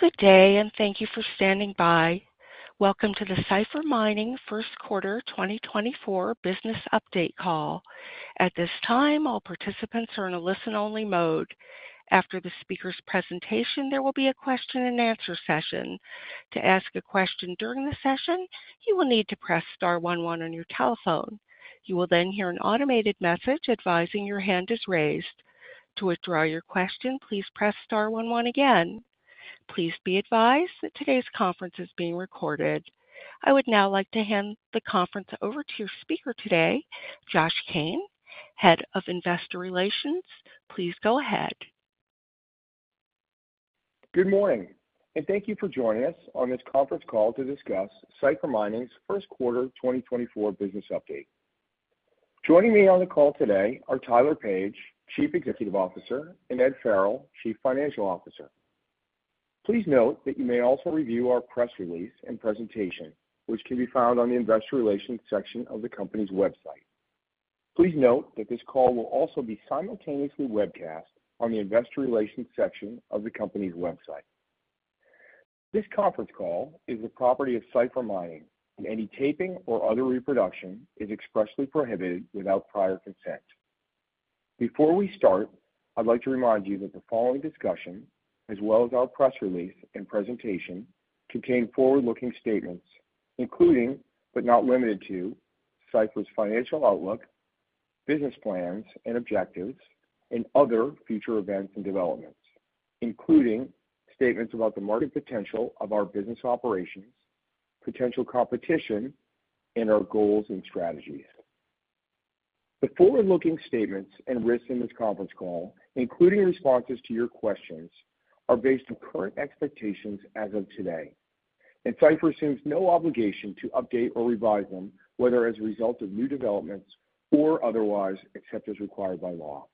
Good day, and thank you for standing by. Welcome to the Cipher Mining Q1 2024 business update call. At this time, all participants are in a listen-only mode. After the speaker's presentation, there will be a question-and-answer session. To ask a question during the session, you will need to press star one one on your telephone. You will then hear an automated message advising your hand is raised. To withdraw your question, please press star one one again. Please be advised that today's conference is being recorded. I would now like to hand the conference over to your speaker today, Josh Cain, Head of Investor Relations. Please go ahead. Good morning, and thank you for joining us on this conference call to discuss Cipher Mining's Q1 2024 business update. Joining me on the call today are Tyler Page, Chief Executive Officer, and Ed Farrell, Chief Financial Officer. Please note that you may also review our press release and presentation, which can be found on the investor relations section of the company's website. Please note that this call will also be simultaneously webcast on the investor relations section of the company's website. This conference call is the property of Cipher Mining, and any taping or other reproduction is expressly prohibited without prior consent. Before we start, I'd like to remind you that the following discussion, as well as our press release and presentation, contain forward-looking statements, including, but not limited to, Cipher's financial outlook, business plans and objectives, and other future events and developments, including statements about the market potential of our business operations, potential competition, and our goals and strategies. The forward-looking statements and risks in this conference call, including responses to your questions, are based on current expectations as of today, and Cipher assumes no obligation to update or revise them, whether as a result of new developments or otherwise, except as required by law.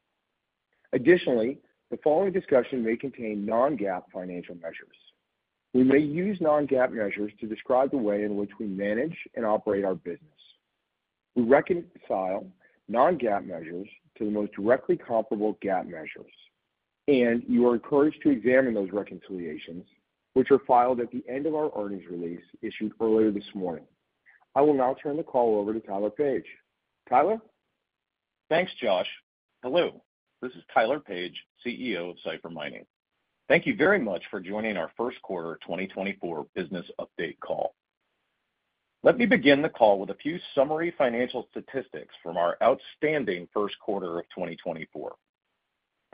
Additionally, the following discussion may contain non-GAAP financial measures. We may use non-GAAP measures to describe the way in which we manage and operate our business. We reconcile non-GAAP measures to the most directly comparable GAAP measures, and you are encouraged to examine those reconciliations, which are filed at the end of our earnings release issued earlier this morning. I will now turn the call over to Tyler Page. Tyler? Thanks, Josh. Hello, this is Tyler Page, CEO of Cipher Mining. Thank you very much for joining our Q1 2024 business update call. Let me begin the call with a few summary financial statistics from our outstanding Q1 of 2024.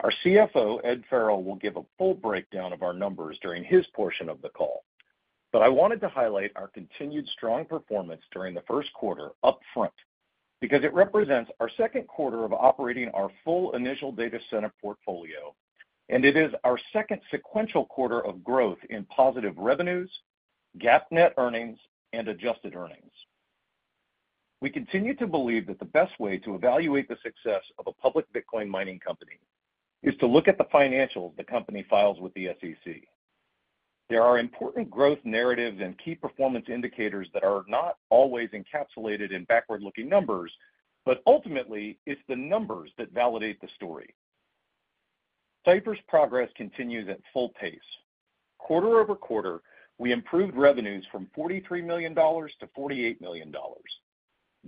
Our CFO, Ed Farrell, will give a full breakdown of our numbers during his portion of the call, but I wanted to highlight our continued strong performance during the Q1 up front, because it represents our second quarter of operating our full initial data center portfolio, and it is our second sequential quarter of growth in positive revenues, GAAP net earnings, and adjusted earnings. We continue to believe that the best way to evaluate the success of a public Bitcoin mining company is to look at the financials the company files with the SEC. There are important growth narratives and key performance indicators that are not always encapsulated in backward-looking numbers, but ultimately, it's the numbers that validate the story. Cipher's progress continues at full pace. Quarter-over-quarter, we improved revenues from $43 million to $48 million,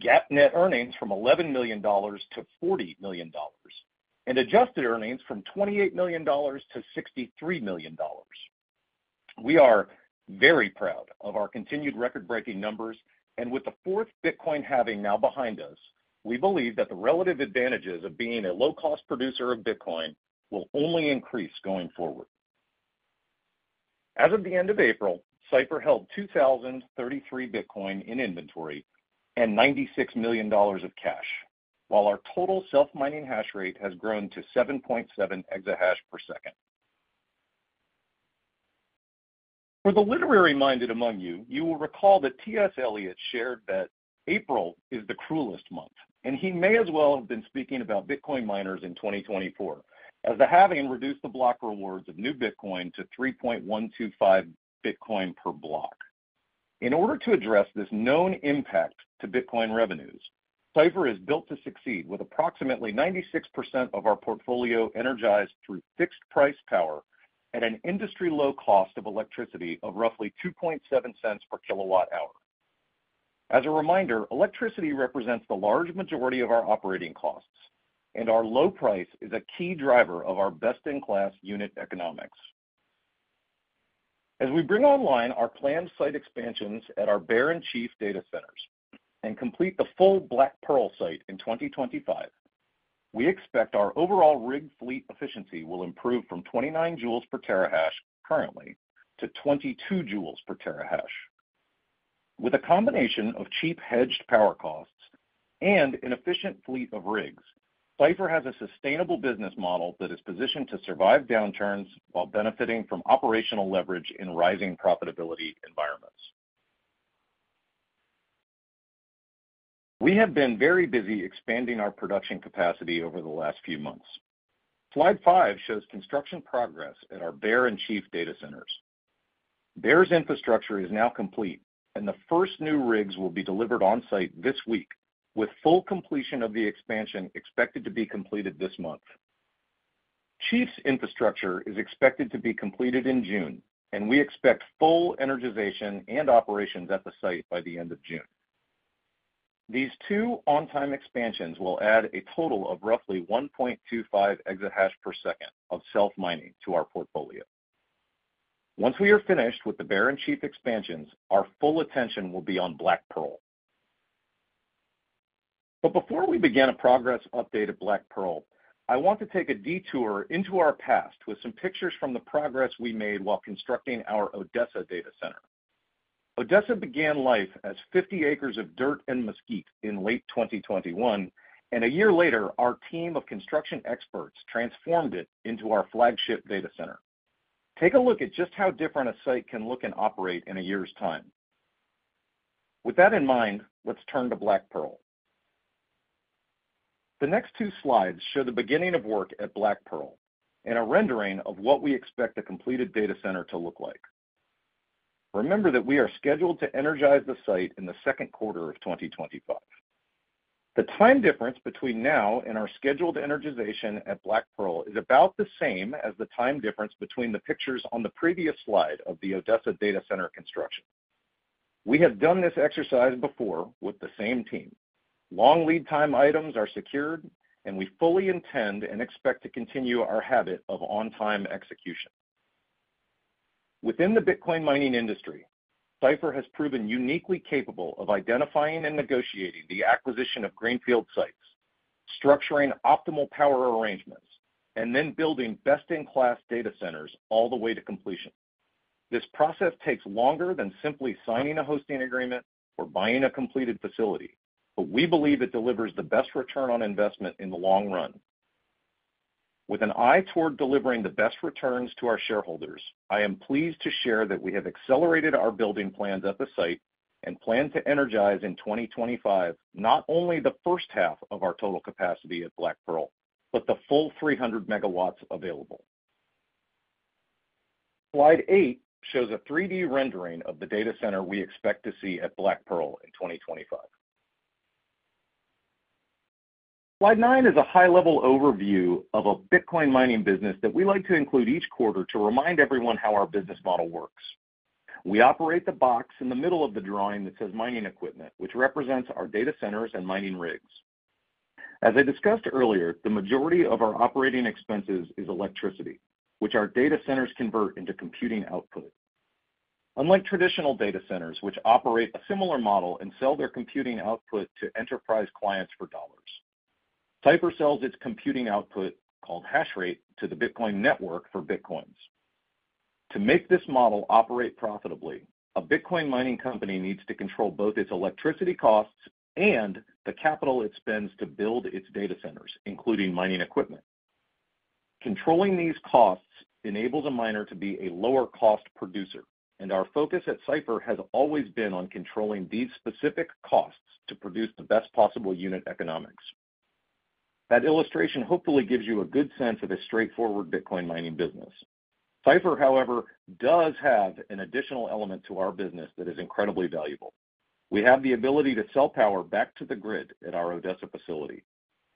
GAAP net earnings from $11 million to $40 million, and adjusted earnings from $28 million to $63 million. We are very proud of our continued record-breaking numbers, and with the fourth Bitcoin halving now behind us, we believe that the relative advantages of being a low-cost producer of Bitcoin will only increase going forward. As of the end of April, Cipher held 2,033 Bitcoin in inventory and $96 million of cash, while our total self-mining hash rate has grown to 7.7 exahash per second. For the literary-minded among you, you will recall that T.S. Eliot shared that April is the cruelest month, and he may as well have been speaking about Bitcoin miners in 2024, as the halving reduced the block rewards of new Bitcoin to 3.125 Bitcoin per block. In order to address this known impact to Bitcoin revenues, Cipher is built to succeed with approximately 96% of our portfolio energized through fixed-price power at an industry-low cost of electricity of roughly $0.027 per kWh. As a reminder, electricity represents the large majority of our operating costs, and our low price is a key driver of our best-in-class unit economics. As we bring online our planned site expansions at our Bear and Chief data centers and complete the full Black Pearl site in 2025, we expect our overall rig fleet efficiency will improve from 29 joules per terahash currently to 22 joules per terahash. With a combination of cheap, hedged power costs and an efficient fleet of rigs, Cipher has a sustainable business model that is positioned to survive downturns while benefiting from operational leverage in rising profitability environments. We have been very busy expanding our production capacity over the last few months. Slide 5 shows construction progress at our Bear and Chief data centers.... Bear's infrastructure is now complete, and the first new rigs will be delivered on site this week, with full completion of the expansion expected to be completed this month. Chief's infrastructure is expected to be completed in June, and we expect full energization and operations at the site by the end of June. These two on-time expansions will add a total of roughly 1.25 exahash per second of self-mining to our portfolio. Once we are finished with the Bear and Chief expansions, our full attention will be on Black Pearl. But before we begin a progress update at Black Pearl, I want to take a detour into our past with some pictures from the progress we made while constructing our Odessa data center. Odessa began life as 50 acres of dirt and mesquite in late 2021, and a year later, our team of construction experts transformed it into our flagship data center. Take a look at just how different a site can look and operate in a year's time. With that in mind, let's turn to Black Pearl. The next two slides show the beginning of work at Black Pearl and a rendering of what we expect the completed data center to look like. Remember that we are scheduled to energize the site in the second quarter of 2025. The time difference between now and our scheduled energization at Black Pearl is about the same as the time difference between the pictures on the previous slide of the Odessa data center construction. We have done this exercise before with the same team. Long lead time items are secured, and we fully intend and expect to continue our habit of on-time execution. Within the Bitcoin mining industry, Cipher has proven uniquely capable of identifying and negotiating the acquisition of greenfield sites, structuring optimal power arrangements, and then building best-in-class data centers all the way to completion. This process takes longer than simply signing a hosting agreement or buying a completed facility, but we believe it delivers the best return on investment in the long run. With an eye toward delivering the best returns to our shareholders, I am pleased to share that we have accelerated our building plans at the site and plan to energize in 2025, not only the first half of our total capacity at Black Pearl, but the full 300 MW available. Slide 8 shows a 3D rendering of the data center we expect to see at Black Pearl in 2025. Slide 9 is a high-level overview of a Bitcoin mining business that we like to include each quarter to remind everyone how our business model works. We operate the box in the middle of the drawing that says mining equipment, which represents our data centers and mining rigs. As I discussed earlier, the majority of our operating expenses is electricity, which our data centers convert into computing output. Unlike traditional data centers, which operate a similar model and sell their computing output to enterprise clients for dollars, Cipher sells its computing output, called hash rate, to the Bitcoin network for Bitcoins. To make this model operate profitably, a Bitcoin mining company needs to control both its electricity costs and the capital it spends to build its data centers, including mining equipment. Controlling these costs enables a miner to be a lower-cost producer, and our focus at Cipher has always been on controlling these specific costs to produce the best possible unit economics. That illustration hopefully gives you a good sense of a straightforward Bitcoin mining business. Cipher, however, does have an additional element to our business that is incredibly valuable. We have the ability to sell power back to the grid at our Odessa facility.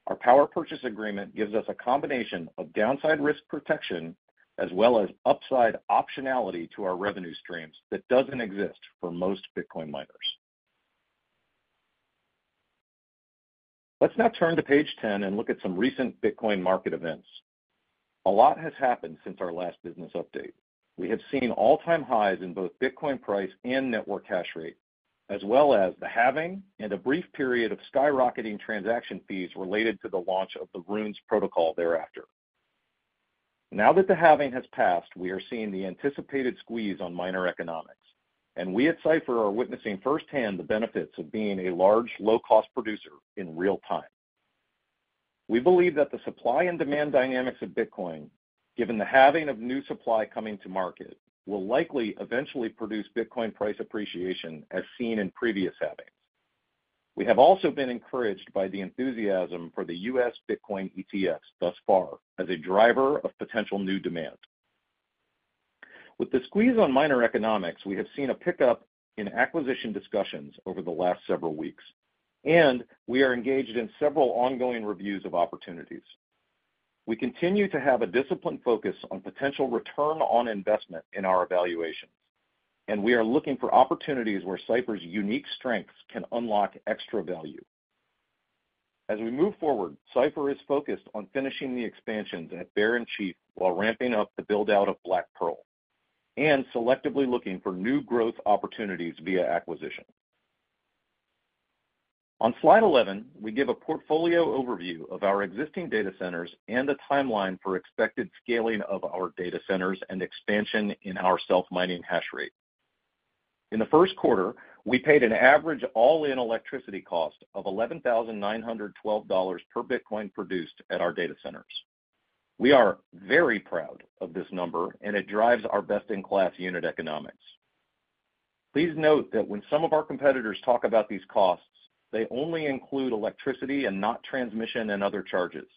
Our power purchase agreement gives us a combination of downside risk protection as well as upside optionality to our revenue streams that doesn't exist for most Bitcoin miners. Let's now turn to page 10 and look at some recent Bitcoin market events. A lot has happened since our last business update. We have seen all-time highs in both Bitcoin price and network hash rate, as well as the halving and a brief period of skyrocketing transaction fees related to the launch of the Runes protocol thereafter. Now that the halving has passed, we are seeing the anticipated squeeze on miner economics, and we at Cipher are witnessing firsthand the benefits of being a large, low-cost producer in real time. We believe that the supply and demand dynamics of Bitcoin, given the halving of new supply coming to market, will likely eventually produce Bitcoin price appreciation as seen in previous halvings. We have also been encouraged by the enthusiasm for the U.S. Bitcoin ETFs thus far as a driver of potential new demand. With the squeeze on miner economics, we have seen a pickup in acquisition discussions over the last several weeks, and we are engaged in several ongoing reviews of opportunities. We continue to have a disciplined focus on potential return on investment in our evaluations, and we are looking for opportunities where Cipher's unique strengths can unlock extra value. As we move forward, Cipher is focused on finishing the expansions at Bear and Chief while ramping up the build-out of Black Pearl and selectively looking for new growth opportunities via acquisition. On slide 11, we give a portfolio overview of our existing data centers and the timeline for expected scaling of our data centers and expansion in our self-mining hash rate. In the Q1, we paid an average all-in electricity cost of $11,912 per Bitcoin produced at our data centers. We are very proud of this number, and it drives our best-in-class unit economics.... Please note that when some of our competitors talk about these costs, they only include electricity and not transmission and other charges.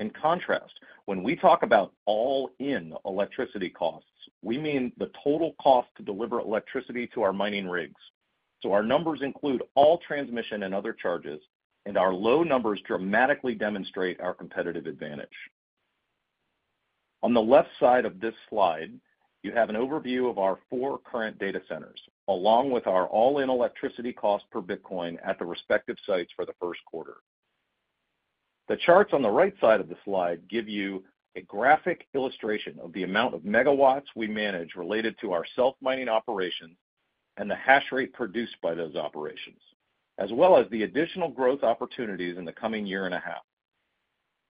In contrast, when we talk about all-in electricity costs, we mean the total cost to deliver electricity to our mining rigs. So our numbers include all transmission and other charges, and our low numbers dramatically demonstrate our competitive advantage. On the left side of this slide, you have an overview of our 4 current data centers, along with our all-in electricity cost per Bitcoin at the respective sites for the Q1. The charts on the right side of the slide give you a graphic illustration of the amount of megawatts we manage related to our self-mining operations and the hash rate produced by those operations, as well as the additional growth opportunities in the coming year and a half.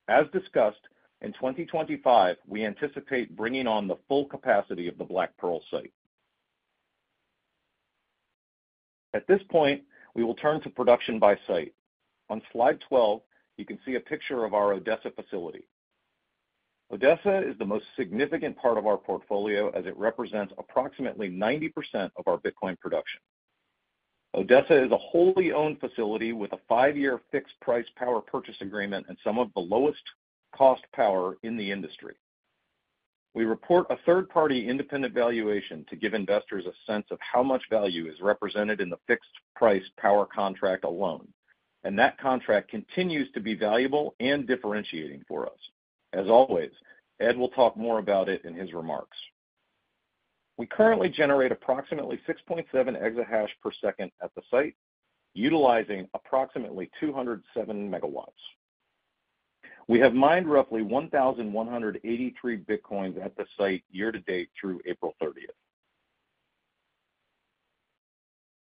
As discussed, in 2025, we anticipate bringing on the full capacity of the Black Pearl site. At this point, we will turn to production by site. On slide 12, you can see a picture of our Odessa facility. Odessa is the most significant part of our portfolio, as it represents approximately 90% of our Bitcoin production. Odessa is a wholly owned facility with a 5-year fixed price power purchase agreement and some of the lowest cost power in the industry. We report a third-party independent valuation to give investors a sense of how much value is represented in the fixed-price power contract alone, and that contract continues to be valuable and differentiating for us. As always, Ed will talk more about it in his remarks. We currently generate approximately 6.7 exahash per second at the site, utilizing approximately 207 MW. We have mined roughly 1,183 bitcoins at the site year-to-date through April 30.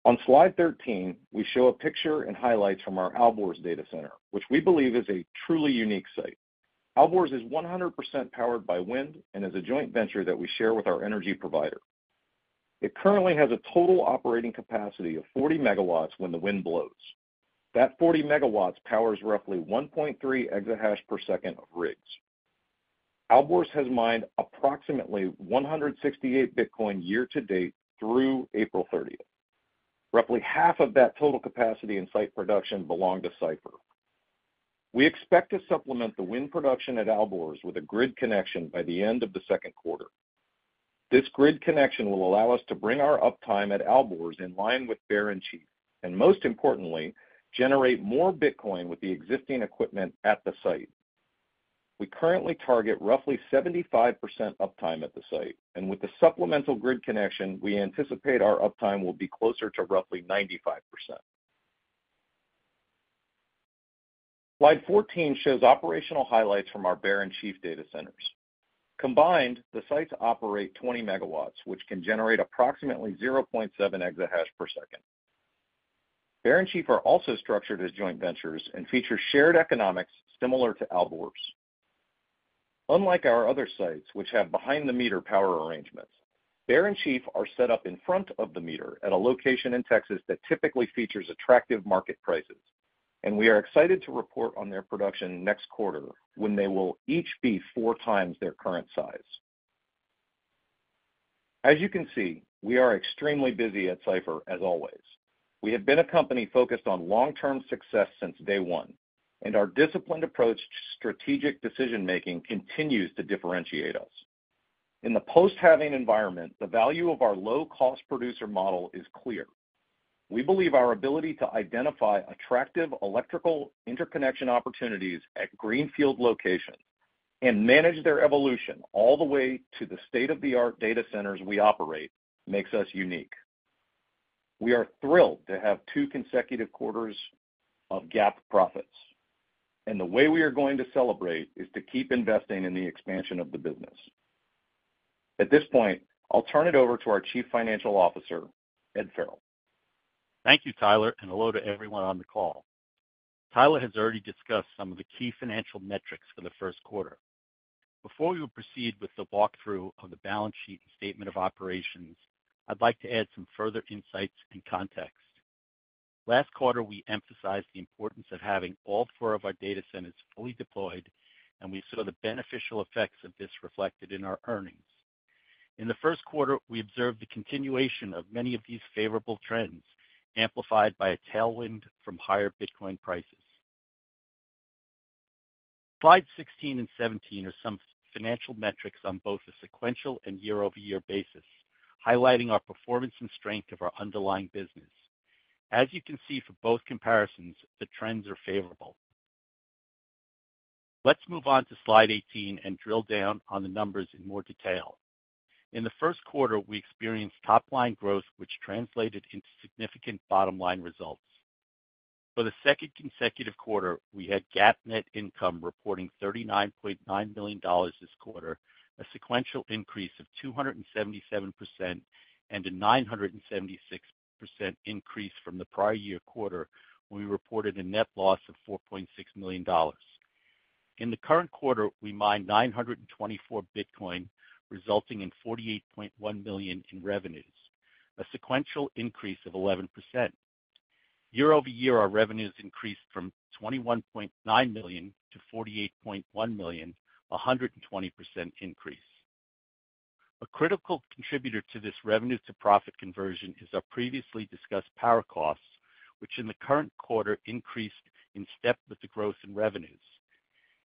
On slide 13, we show a picture and highlights from our Alborz data center, which we believe is a truly unique site. Alborz is 100% powered by wind and is a joint venture that we share with our energy provider. It currently has a total operating capacity of 40 MW when the wind blows. That 40 MW powers roughly 1.3 exahash per second of rigs. Alborz has mined approximately 168 Bitcoin year-to-date through April 30. Roughly half of that total capacity and site production belong to Cipher. We expect to supplement the wind production at Alborz with a grid connection by the end of the second quarter. This grid connection will allow us to bring our uptime at Alborz in line with Bear and Chief, and most importantly, generate more Bitcoin with the existing equipment at the site. We currently target roughly 75% uptime at the site, and with the supplemental grid connection, we anticipate our uptime will be closer to roughly 95%. Slide 14 shows operational highlights from our Bear and Chief data centers. Combined, the sites operate 20 MW, which can generate approximately 0.7 EH/s. Bear and Chief are also structured as joint ventures and feature shared economics similar to Alborz. Unlike our other sites, which have behind-the-meter power arrangements, Bear and Chief are set up in front-of-the-meter at a location in Texas that typically features attractive market prices, and we are excited to report on their production next quarter when they will each be 4 times their current size. As you can see, we are extremely busy at Cipher as always. We have been a company focused on long-term success since day one, and our disciplined approach to strategic decision-making continues to differentiate us. In the post-halving environment, the value of our low-cost producer model is clear. We believe our ability to identify attractive electrical interconnection opportunities at greenfield locations and manage their evolution all the way to the state-of-the-art data centers we operate makes us unique. We are thrilled to have two consecutive quarters of GAAP profits, and the way we are going to celebrate is to keep investing in the expansion of the business. At this point, I'll turn it over to our Chief Financial Officer, Ed Farrell. Thank you, Tyler, and hello to everyone on the call. Tyler has already discussed some of the key financial metrics for the Q1. Before we proceed with the walkthrough of the balance sheet and statement of operations, I'd like to add some further insights and context. Last quarter, we emphasized the importance of having all four of our data centers fully deployed, and we saw the beneficial effects of this reflected in our earnings. In the Q1, we observed the continuation of many of these favorable trends, amplified by a tailwind from higher Bitcoin prices. Slide 16 and 17 are some financial metrics on both a sequential and year-over-year basis, highlighting our performance and strength of our underlying business. As you can see, for both comparisons, the trends are favorable. Let's move on to slide 18 and drill down on the numbers in more detail. In the Q1, we experienced top-line growth, which translated into significant bottom-line results. For the second consecutive quarter, we had GAAP net income reporting $39.9 million this quarter, a sequential increase of 277% and a 976% increase from the prior year quarter, where we reported a net loss of $4.6 million. In the current quarter, we mined 924 Bitcoin, resulting in $48.1 million in revenues, a sequential increase of 11%.... year-over-year, our revenues increased from $21.9 million to $48.1 million, a 120% increase. A critical contributor to this revenue to profit conversion is our previously discussed power costs, which in the current quarter increased in step with the growth in revenues.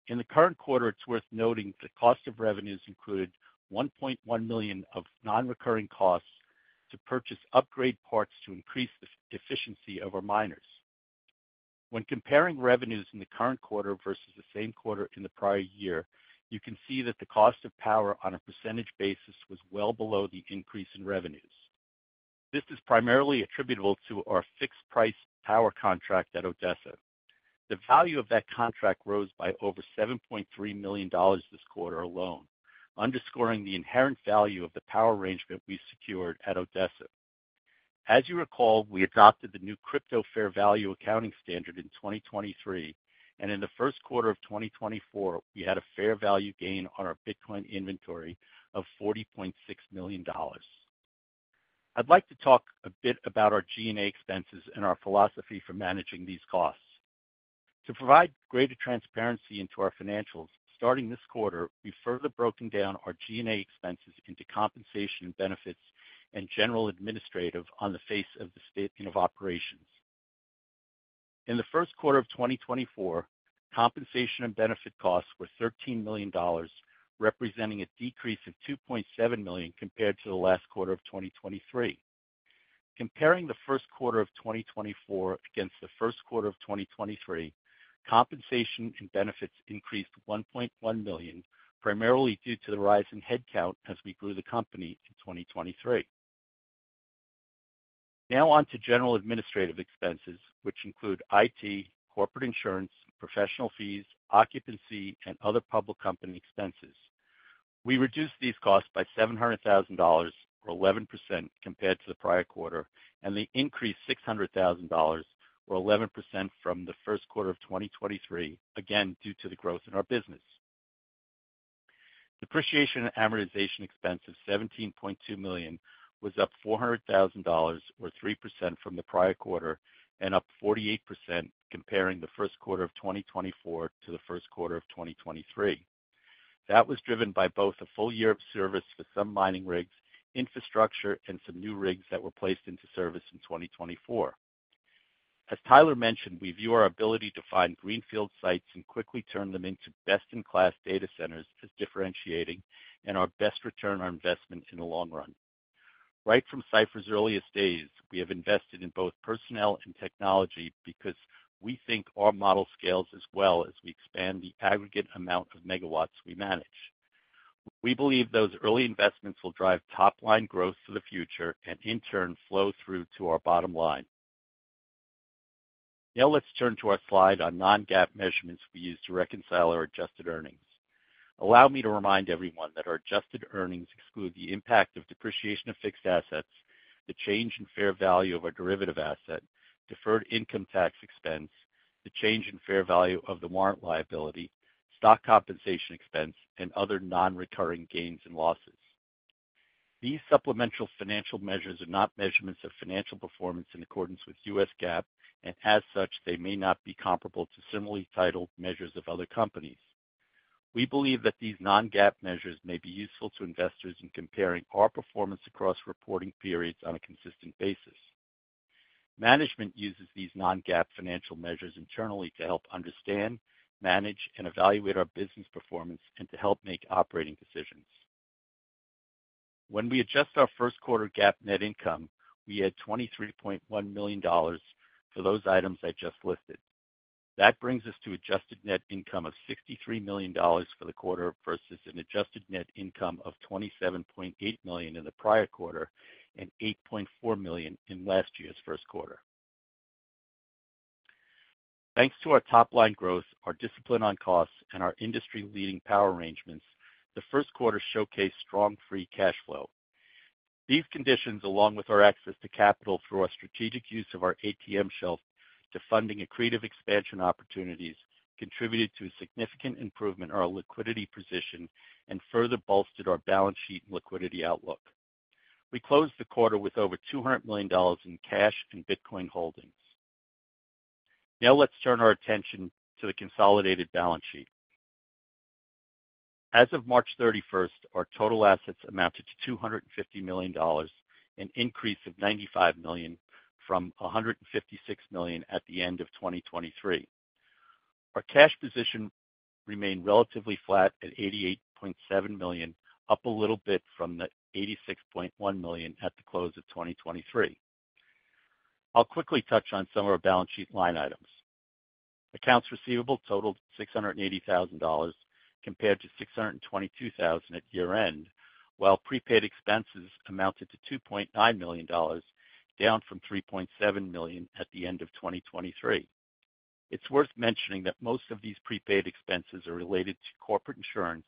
In the current quarter, it's worth noting that cost of revenues included $1.1 million of non-recurring costs to purchase upgrade parts to increase the efficiency of our miners. When comparing revenues in the current quarter versus the same quarter in the prior year, you can see that the cost of power on a percentage basis was well below the increase in revenues. This is primarily attributable to our fixed price power contract at Odessa. The value of that contract rose by over $7.3 million this quarter alone, underscoring the inherent value of the power arrangement we secured at Odessa. As you recall, we adopted the new crypto fair value accounting standard in 2023, and in the Q1 of 2024, we had a fair value gain on our Bitcoin inventory of $40.6 million. I'd like to talk a bit about our G&A expenses and our philosophy for managing these costs. To provide greater transparency into our financials, starting this quarter, we've further broken down our G&A expenses into compensation and benefits and general administrative on the face of the statement of operations. In the Q1 of 2024, compensation and benefit costs were $13 million, representing a decrease of $2.7 million compared to the last quarter of 2023. Comparing the Q1 of 2024 against the Q1 of 2023, compensation and benefits increased $1.1 million, primarily due to the rise in headcount as we grew the company in 2023. Now on to general administrative expenses, which include IT, corporate insurance, professional fees, occupancy, and other public company expenses. We reduced these costs by $700,000, or 11%, compared to the prior quarter, and they increased $600,000, or 11%, from the Q1 of 2023, again, due to the growth in our business. Depreciation and amortization expense of $17.2 million was up $400,000, or 3%, from the prior quarter and up 48% comparing the Q1 of 2024 to the Q1 of 2023. That was driven by both a full year of service for some mining rigs, infrastructure, and some new rigs that were placed into service in 2024. As Tyler mentioned, we view our ability to find greenfield sites and quickly turn them into best-in-class data centers as differentiating and our best return on investment in the long run. Right from Cipher's earliest days, we have invested in both personnel and technology because we think our model scales as well as we expand the aggregate amount of megawatts we manage. We believe those early investments will drive top-line growth for the future and in turn, flow through to our bottom line. Now, let's turn to our slide on non-GAAP measurements we use to reconcile our adjusted earnings. Allow me to remind everyone that our adjusted earnings exclude the impact of depreciation of fixed assets, the change in fair value of our derivative asset, deferred income tax expense, the change in fair value of the warrant liability, stock compensation expense, and other non-recurring gains and losses. These supplemental financial measures are not measurements of financial performance in accordance with U.S. GAAP, and as such, they may not be comparable to similarly titled measures of other companies. We believe that these non-GAAP measures may be useful to investors in comparing our performance across reporting periods on a consistent basis. Management uses these non-GAAP financial measures internally to help understand, manage, and evaluate our business performance and to help make operating decisions. When we adjust our Q1 GAAP net income, we add $23.1 million for those items I just listed. That brings us to adjusted net income of $63 million for the quarter, versus an adjusted net income of $27.8 million in the prior quarter and $8.4 million in last year's Q1. Thanks to our top-line growth, our discipline on costs, and our industry-leading power arrangements, the Q1 showcased strong free cash flow. These conditions, along with our access to capital through our strategic use of our ATM shelf to funding accretive expansion opportunities, contributed to a significant improvement in our liquidity position and further bolstered our balance sheet and liquidity outlook. We closed the quarter with over $200 million in cash and Bitcoin holdings. Now, let's turn our attention to the consolidated balance sheet. As of March 31st, our total assets amounted to $250 million, an increase of $95 million from $156 million at the end of 2023. Our cash position remained relatively flat at $88.7 million, up a little bit from the $86.1 million at the close of 2023. I'll quickly touch on some of our balance sheet line items. Accounts receivable totaled $680,000, compared to $622,000 at year-end, while prepaid expenses amounted to $2.9 million, down from $3.7 million at the end of 2023. It's worth mentioning that most of these prepaid expenses are related to corporate insurance,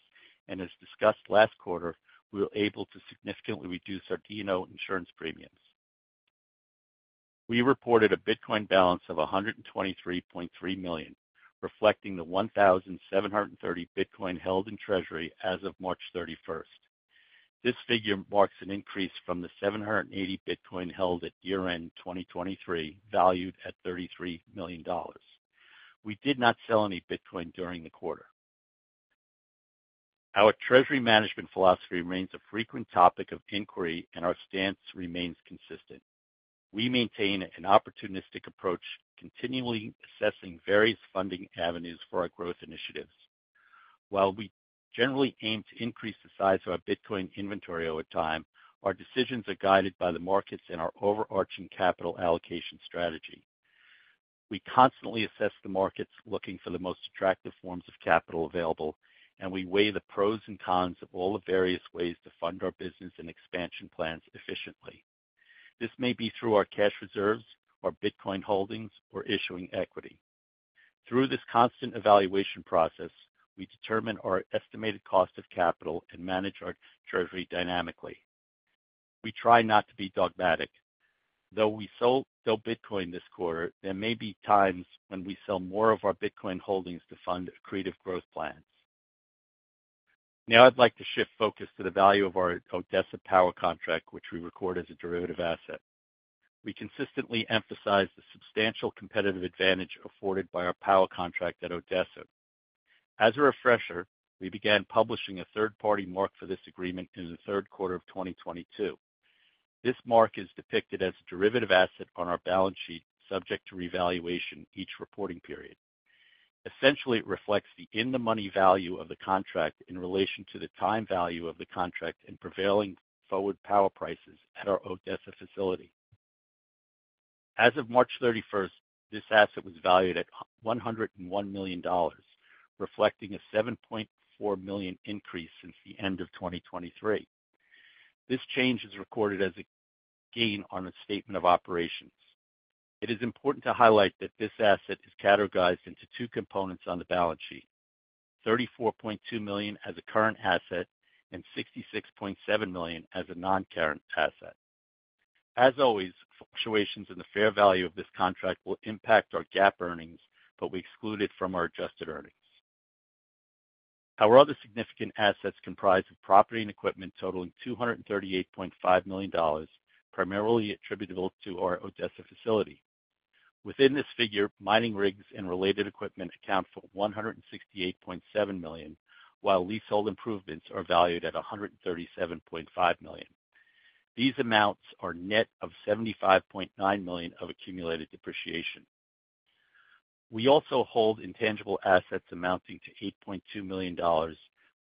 and as discussed last quarter, we were able to significantly reduce our D&O insurance premiums. We reported a Bitcoin balance of $123.3 million, reflecting the 1,730 Bitcoin held in Treasury as of March 31. This figure marks an increase from the 780 Bitcoin held at year-end 2023, valued at $33 million. We did not sell any Bitcoin during the quarter. Our treasury management philosophy remains a frequent topic of inquiry, and our stance remains consistent. We maintain an opportunistic approach, continually assessing various funding avenues for our growth initiatives. While we generally aim to increase the size of our Bitcoin inventory over time, our decisions are guided by the markets and our overarching capital allocation strategy. We constantly assess the markets, looking for the most attractive forms of capital available, and we weigh the pros and cons of all the various ways to fund our business and expansion plans efficiently. This may be through our cash reserves, our Bitcoin holdings, or issuing equity. Through this constant evaluation process, we determine our estimated cost of capital and manage our treasury dynamically. We try not to be dogmatic. Though we sold Bitcoin this quarter, there may be times when we sell more of our Bitcoin holdings to fund accretive growth plans. Now I'd like to shift focus to the value of our Odessa power contract, which we record as a derivative asset. We consistently emphasize the substantial competitive advantage afforded by our power contract at Odessa. As a refresher, we began publishing a third-party mark for this agreement in the Q3 of 2022. This mark is depicted as a derivative asset on our balance sheet, subject to revaluation each reporting period. Essentially, it reflects the in-the-money value of the contract in relation to the time value of the contract and prevailing forward power prices at our Odessa facility. As of March 31st, this asset was valued at $101 million, reflecting a $7.4 million increase since the end of 2023. This change is recorded as a gain on the statement of operations. It is important to highlight that this asset is categorized into two components on the balance sheet: $34.2 million as a current asset and $66.7 million as a non-current asset. As always, fluctuations in the fair value of this contract will impact our GAAP earnings, but we exclude it from our adjusted earnings. Our other significant assets comprise of property and equipment totaling $238.5 million, primarily attributable to our Odessa facility. Within this figure, mining rigs and related equipment account for $168.7 million, while leasehold improvements are valued at $137.5 million. These amounts are net of $75.9 million of accumulated depreciation. We also hold intangible assets amounting to $8.2 million,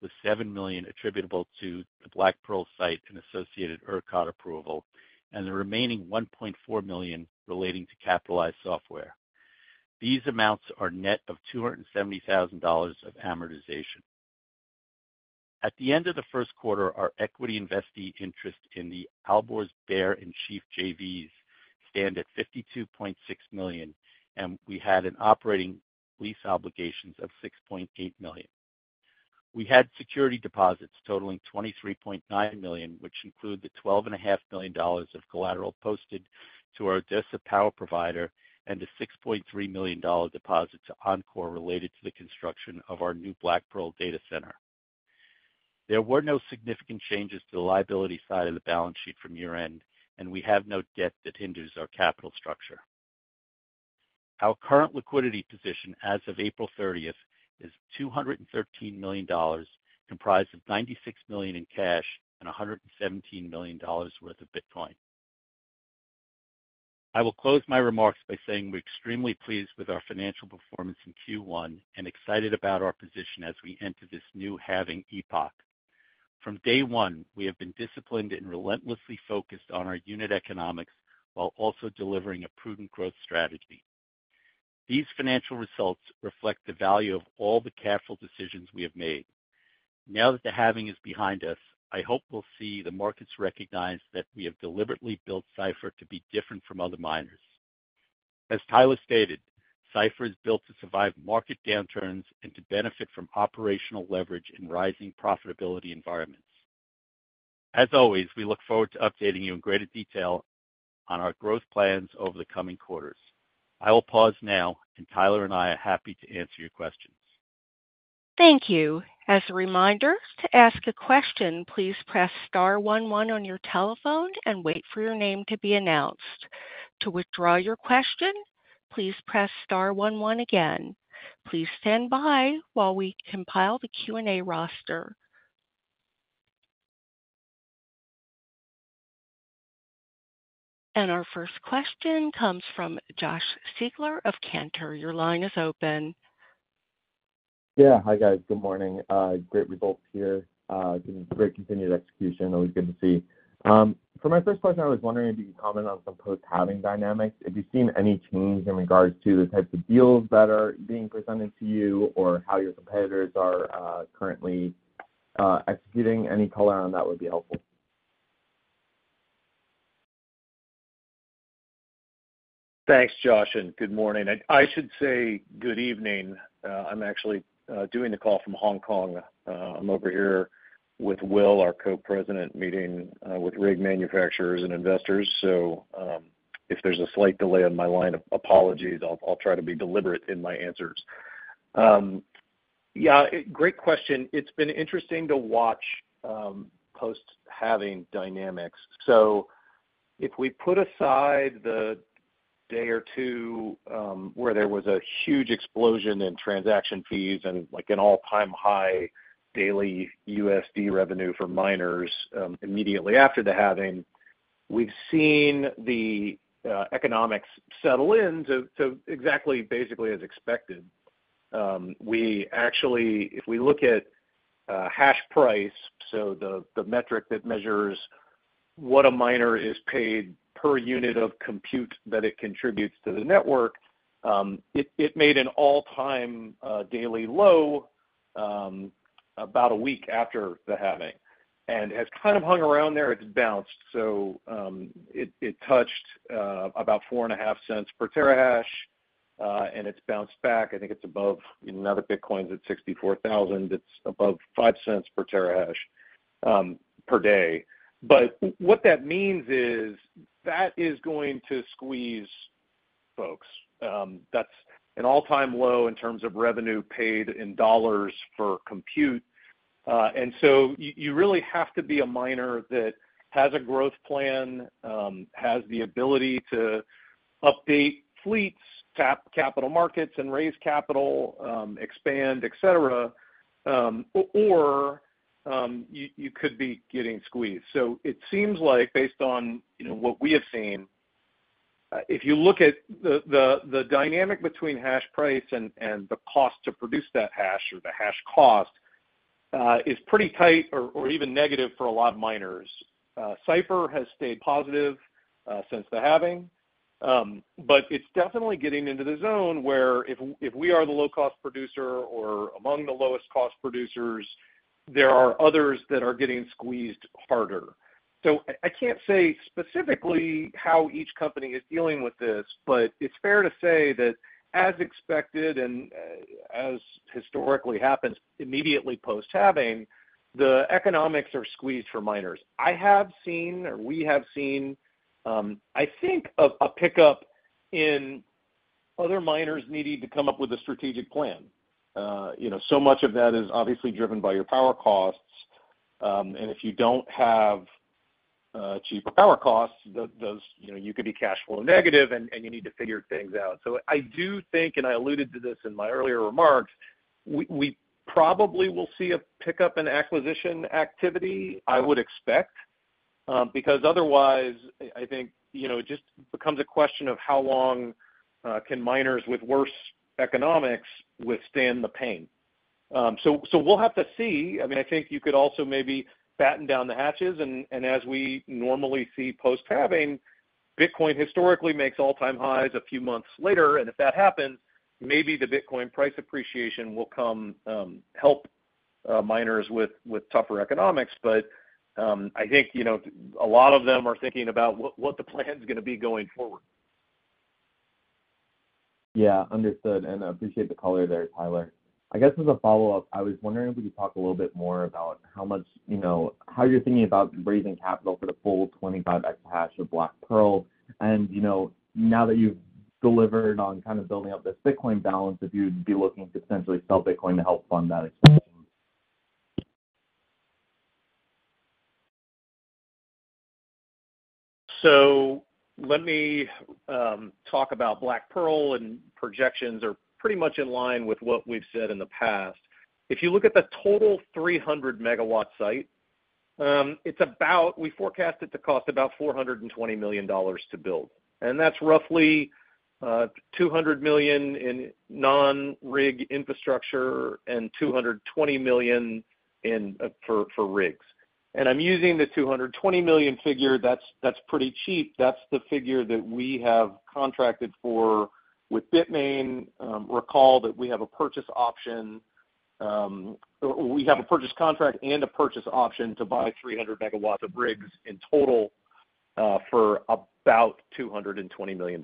with $7 million attributable to the Black Pearl site and associated ERCOT approval, and the remaining $1.4 million relating to capitalized software. These amounts are net of $270,000 of amortization. At the end of the Q1, our equity investee interest in the Alborz, Bear, and Chief JVs stand at $52.6 million, and we had an operating lease obligations of $6.8 million. We had security deposits totaling $23.9 million, which include the $12.5 million of collateral posted to our Odessa power provider and a $6.3 million dollar deposit to Oncor related to the construction of our new Black Pearl data center. There were no significant changes to the liability side of the balance sheet from year-end, and we have no debt that hinders our capital structure. Our current liquidity position as of April 30th is $213 million, comprised of $96 million in cash and $117 million worth of Bitcoin. I will close my remarks by saying we're extremely pleased with our financial performance in Q1 and excited about our position as we enter this new halving epoch. From day one, we have been disciplined and relentlessly focused on our unit economics while also delivering a prudent growth strategy. These financial results reflect the value of all the careful decisions we have made. Now that the halving is behind us, I hope we'll see the markets recognize that we have deliberately built Cipher to be different from other miners. As Tyler stated, Cipher is built to survive market downturns and to benefit from operational leverage in rising profitability environments. As always, we look forward to updating you in greater detail on our growth plans over the coming quarters. I will pause now, and Tyler and I are happy to answer your questions. Thank you. As a reminder, to ask a question, please press star one one on your telephone and wait for your name to be announced. To withdraw your question, please press star one one again. Please stand by while we compile the Q&A roster. And our first question comes from Josh Siegler of Cantor. Your line is open. Yeah. Hi, guys. Good morning. Great results here. Great continued execution. Always good to see. For my first question, I was wondering if you could comment on some post-Halving dynamics. Have you seen any change in regards to the types of deals that are being presented to you or how your competitors are currently executing? Any color on that would be helpful. Thanks, Josh, and good morning. I should say good evening. I'm actually doing the call from Hong Kong. I'm over here with Will, our co-president, meeting with rig manufacturers and investors. So, if there's a slight delay on my line, my apologies, I'll try to be deliberate in my answers.... Yeah, great question. It's been interesting to watch post-halving dynamics. So if we put aside the day or two where there was a huge explosion in transaction fees and, like, an all-time high daily USD revenue for miners immediately after the halving, we've seen the economics settle in to exactly basically as expected. We actually, if we look at hash price, so the metric that measures what a miner is paid per unit of compute that it contributes to the network, it made an all-time daily low about a week after the halving, and has kind of hung around there. It's bounced. So it touched about $0.045 per terahash and it's bounced back. I think it's above, you know, the Bitcoin's at $64,000. It's above $0.05 per terahash per day. But what that means is that is going to squeeze folks. That's an all-time low in terms of revenue paid in dollars for compute. And so you really have to be a miner that has a growth plan, has the ability to update fleets, tap capital markets, and raise capital, expand, et cetera, or, you could be getting squeezed. So it seems like based on, you know, what we have seen, if you look at the dynamic between hash price and the cost to produce that hash or the hash cost, is pretty tight or even negative for a lot of miners. Cipher has stayed positive since the Halving, but it's definitely getting into the zone where if we are the low-cost producer or among the lowest cost producers, there are others that are getting squeezed harder. So I can't say specifically how each company is dealing with this, but it's fair to say that as expected and as historically happens, immediately post-Halving, the economics are squeezed for miners. I have seen or we have seen, I think a pickup in other miners needing to come up with a strategic plan. You know, so much of that is obviously driven by your power costs, and if you don't have cheaper power costs, those, you know, you could be cash flow negative and you need to figure things out. So I do think, and I alluded to this in my earlier remarks, we probably will see a pickup in acquisition activity, I would expect, because otherwise, I think, you know, it just becomes a question of how long can miners with worse economics withstand the pain? So we'll have to see. I mean, I think you could also maybe batten down the hatches, and as we normally see post-halving, Bitcoin historically makes all-time highs a few months later, and if that happens, maybe the Bitcoin price appreciation will come help miners with tougher economics. But I think, you know, a lot of them are thinking about what the plan's gonna be going forward. Yeah, understood, and I appreciate the color there, Tyler. I guess as a follow-up, I was wondering if you could talk a little bit more about how much, you know, how you're thinking about raising capital for the full 25 exahash of Black Pearl, and, you know, now that you've delivered on kind of building up this Bitcoin balance, if you'd be looking to essentially sell Bitcoin to help fund that expansion? So let me talk about Black Pearl, and projections are pretty much in line with what we've said in the past. If you look at the total 300 MW site, it's about. We forecast it to cost about $420 million to build, and that's roughly $200 million in non-rig infrastructure and $220 million in for rigs. And I'm using the $220 million figure, that's pretty cheap. That's the figure that we have contracted for with Bitmain. Recall that we have a purchase option, or we have a purchase contract and a purchase option to buy 300 MW of rigs in total for about $220 million.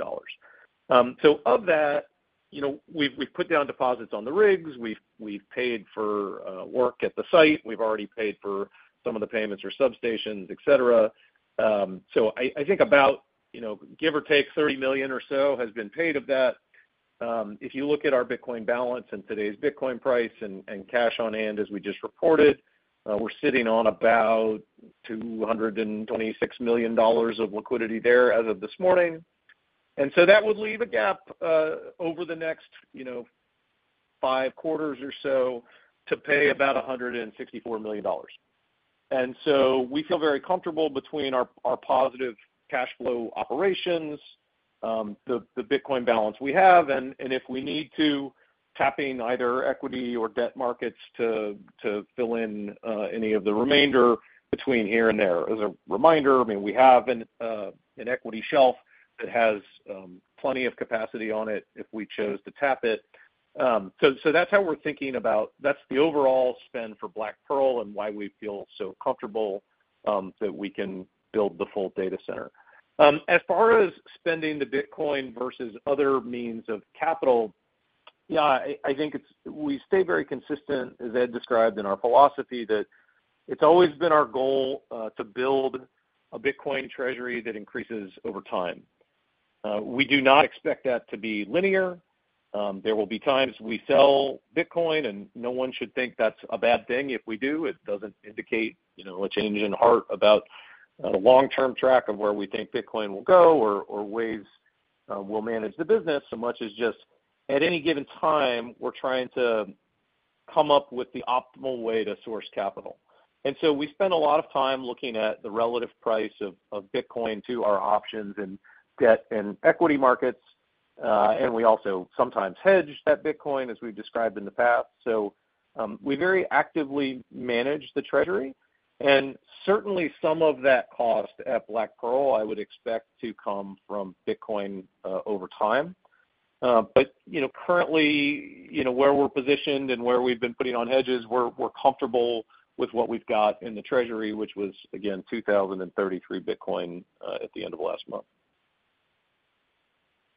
So of that, you know, we've put down deposits on the rigs, we've paid for work at the site. We've already paid for some of the payments for substations, et cetera. So I think about, you know, give or take, $30 million or so has been paid of that. If you look at our Bitcoin balance and today's Bitcoin price and cash on hand, as we just reported, we're sitting on about $226 million of liquidity there as of this morning. And so that would leave a gap over the next, you know, five quarters or so to pay about $164 million. So we feel very comfortable between our positive cash flow operations, the Bitcoin balance we have, and if we need to, tapping either equity or debt markets to fill in any of the remainder between here and there. As a reminder, I mean, we have an equity shelf that has plenty of capacity on it if we chose to tap it. So that's how we're thinking about, that's the overall spend for Black Pearl and why we feel so comfortable that we can build the full data center. As far as spending the Bitcoin versus other means of capital, yeah, I think it's... We stay very consistent, as Ed described in our philosophy, that it's always been our goal to build a Bitcoin treasury that increases over time.... We do not expect that to be linear. There will be times we sell Bitcoin, and no one should think that's a bad thing if we do. It doesn't indicate, you know, a change in heart about the long-term track of where we think Bitcoin will go or ways we'll manage the business, so much as just, at any given time, we're trying to come up with the optimal way to source capital. And so we spend a lot of time looking at the relative price of Bitcoin to our options and debt and equity markets, and we also sometimes hedge that Bitcoin, as we've described in the past. So, we very actively manage the treasury, and certainly some of that cost at Black Pearl, I would expect to come from Bitcoin over time. But, you know, currently, you know, where we're positioned and where we've been putting on hedges, we're comfortable with what we've got in the treasury, which was, again, 2,033 Bitcoin, at the end of last month.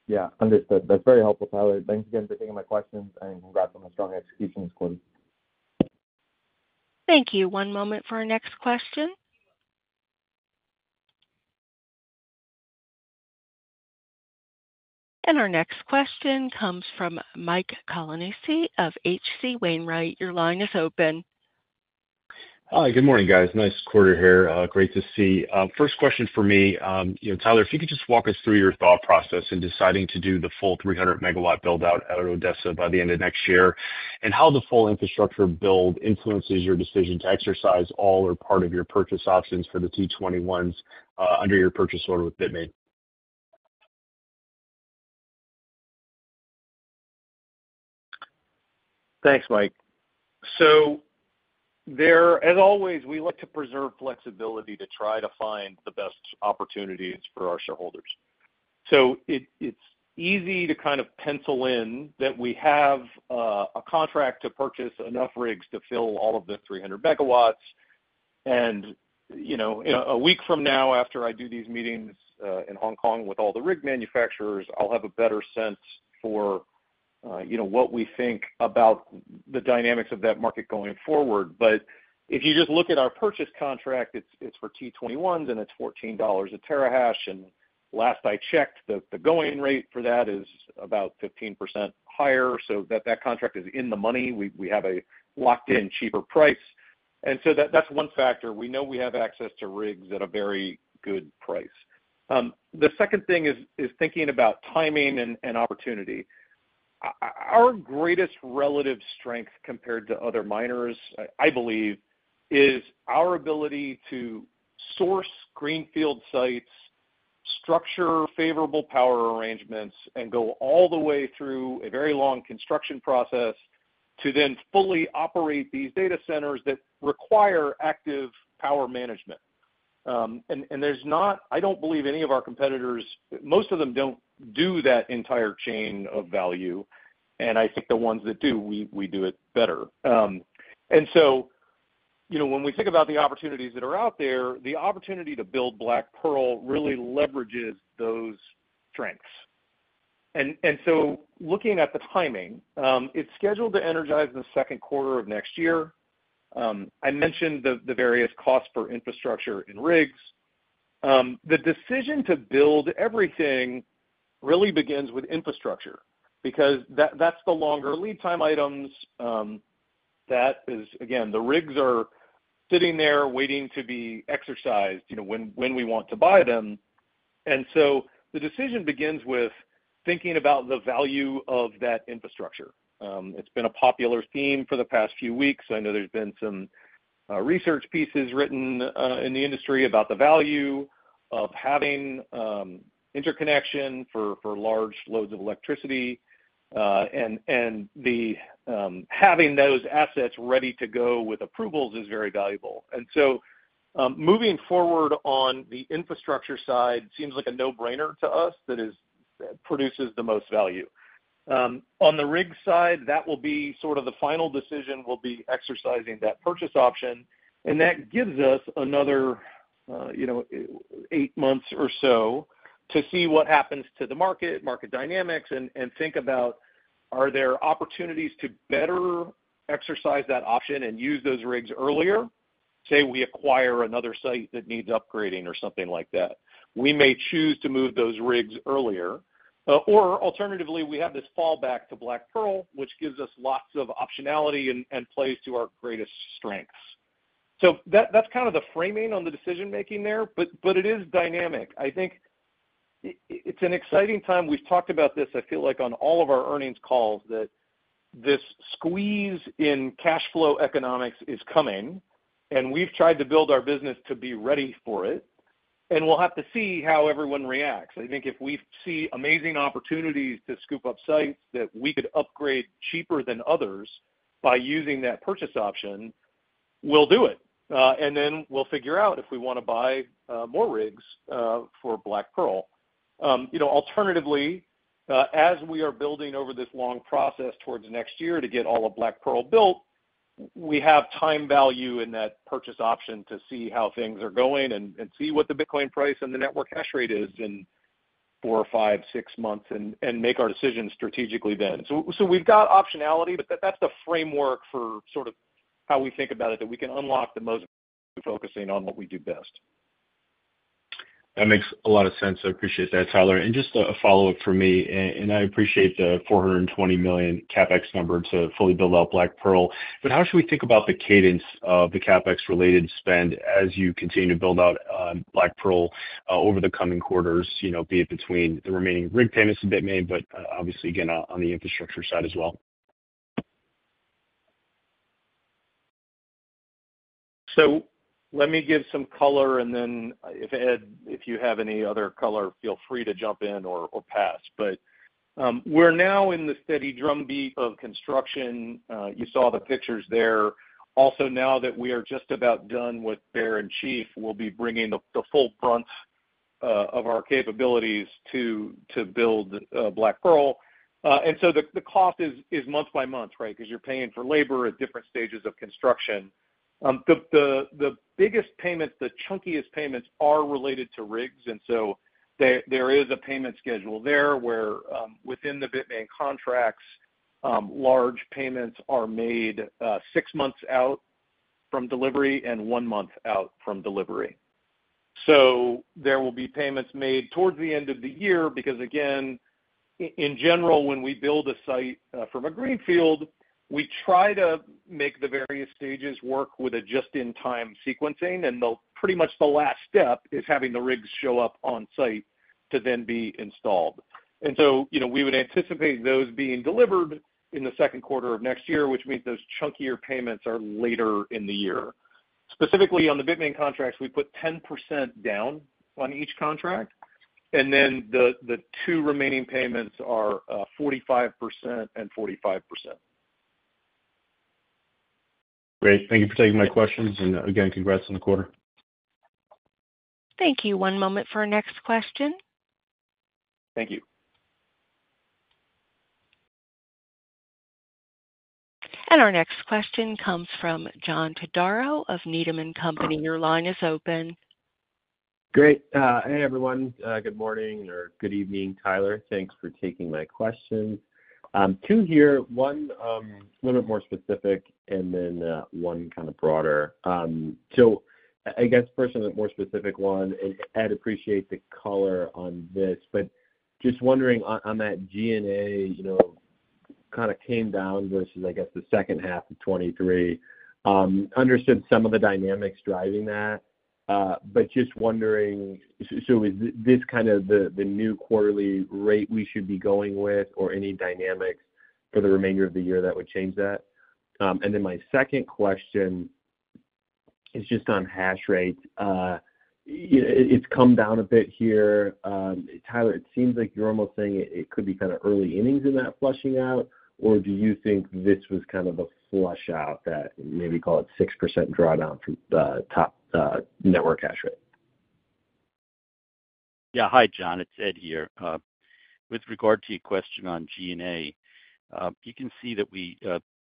Yeah. Understood. That's very helpful, Tyler. Thanks again for taking my questions, and congrats on the strong execution this quarter. Thank you. One moment for our next question. And our next question comes from Mike Colonnese of H.C. Wainwright. Your line is open. Hi, good morning, guys. Nice quarter here. Great to see. First question for me, you know, Tyler, if you could just walk us through your thought process in deciding to do the full 300 MW build-out at Odessa by the end of next year, and how the full infrastructure build influences your decision to exercise all or part of your purchase options for the T21s under your purchase order with Bitmain. Thanks, Mike. So as always, we look to preserve flexibility to try to find the best opportunities for our shareholders. So it's easy to kind of pencil in that we have a contract to purchase enough rigs to fill all of the 300 MW. And, you know, a week from now, after I do these meetings in Hong Kong with all the rig manufacturers, I'll have a better sense for, you know, what we think about the dynamics of that market going forward. But if you just look at our purchase contract, it's for T21s, and it's $14 a terahash, and last I checked, the going rate for that is about 15% higher, so that contract is in the money. We have a locked-in cheaper price. And so that's one factor. We know we have access to rigs at a very good price. The second thing is thinking about timing and opportunity. Our greatest relative strength compared to other miners, I believe, is our ability to source greenfield sites, structure favorable power arrangements, and go all the way through a very long construction process to then fully operate these data centers that require active power management. And there's not—I don't believe any of our competitors, most of them don't do that entire chain of value, and I think the ones that do, we do it better. And so, you know, when we think about the opportunities that are out there, the opportunity to build Black Pearl really leverages those strengths. And so looking at the timing, it's scheduled to energize in the second quarter of next year. I mentioned the various costs for infrastructure and rigs. The decision to build everything really begins with infrastructure because that's the longer lead time items, that is. Again, the rigs are sitting there waiting to be exercised, you know, when we want to buy them. And so the decision begins with thinking about the value of that infrastructure. It's been a popular theme for the past few weeks. I know there's been some research pieces written in the industry about the value of having interconnection for large loads of electricity, and having those assets ready to go with approvals is very valuable. And so, moving forward on the infrastructure side seems like a no-brainer to us, that is, produces the most value. On the rig side, that will be sort of the final decision, will be exercising that purchase option, and that gives us another, you know, eight months or so to see what happens to the market, market dynamics, and think about, are there opportunities to better exercise that option and use those rigs earlier? Say we acquire another site that needs upgrading or something like that. We may choose to move those rigs earlier, or alternatively, we have this fallback to Black Pearl, which gives us lots of optionality and plays to our greatest strengths. So that's kind of the framing on the decision-making there, but it is dynamic. I think it's an exciting time. We've talked about this, I feel like, on all of our earnings calls, that this squeeze in cash flow economics is coming, and we've tried to build our business to be ready for it, and we'll have to see how everyone reacts. I think if we see amazing opportunities to scoop up sites that we could upgrade cheaper than others by using that purchase option, we'll do it. And then we'll figure out if we want to buy more rigs for Black Pearl. You know, alternatively, as we are building over this long process towards next year to get all of Black Pearl built, we have time value in that purchase option to see how things are going and see what the Bitcoin price and the network hash rate is in four or five, six months and make our decisions strategically then. So, we've got optionality, but that's the framework for sort of how we think about it, that we can unlock the most... focusing on what we do best. That makes a lot of sense. I appreciate that, Tyler. And just a follow-up for me, and I appreciate the $420 million CapEx number to fully build out Black Pearl. But how should we think about the cadence of the CapEx-related spend as you continue to build out, Black Pearl, over the coming quarters? You know, be it between the remaining rig payments and Bitmain, but, obviously, again, on the infrastructure side as well. So let me give some color, and then if Ed, if you have any other color, feel free to jump in or pass. But we're now in the steady drumbeat of construction. You saw the pictures there. Also, now that we are just about done with Bear and Chief, we'll be bringing the full brunt of our capabilities to build Black Pearl. And so the cost is month by month, right? Because you're paying for labor at different stages of construction. The biggest payments, the chunkiest payments, are related to rigs, and so there is a payment schedule there, where within the Bitmain contracts, large payments are made six months out from delivery and one month out from delivery. So there will be payments made towards the end of the year, because again, in general, when we build a site from a greenfield, we try to make the various stages work with a just-in-time sequencing, and the pretty much the last step is having the rigs show up on site to then be installed. And so, you know, we would anticipate those being delivered in the second quarter of next year, which means those chunkier payments are later in the year. Specifically, on the Bitmain contracts, we put 10% down on each contract, and then the two remaining payments are 45% and 45%. Great. Thank you for taking my questions, and again, congrats on the quarter. Thank you. One moment for our next question. Thank you. And our next question comes from John Todaro of Needham and Company. Your line is open. Great. Hey, everyone. Good morning or good evening, Tyler. Thanks for taking my questions. Two here, one a little bit more specific, and then one kind of broader. So I guess first on the more specific one, and Ed, appreciate the color on this, but just wondering on that G&A, you know, kind of came down versus the second half of 2023. Understood some of the dynamics driving that, but just wondering, so is this kind of the new quarterly rate we should be going with or any dynamics for the remainder of the year that would change that? And then my second question is just on hash rates. It's come down a bit here. Tyler, it seems like you're almost saying it could be kind of early innings in that flushing out, or do you think this was kind of a flush out that maybe call it 6% drawdown from top network hash rate? Yeah. Hi, John, it's Ed here. With regard to your question on G&A, you can see that we,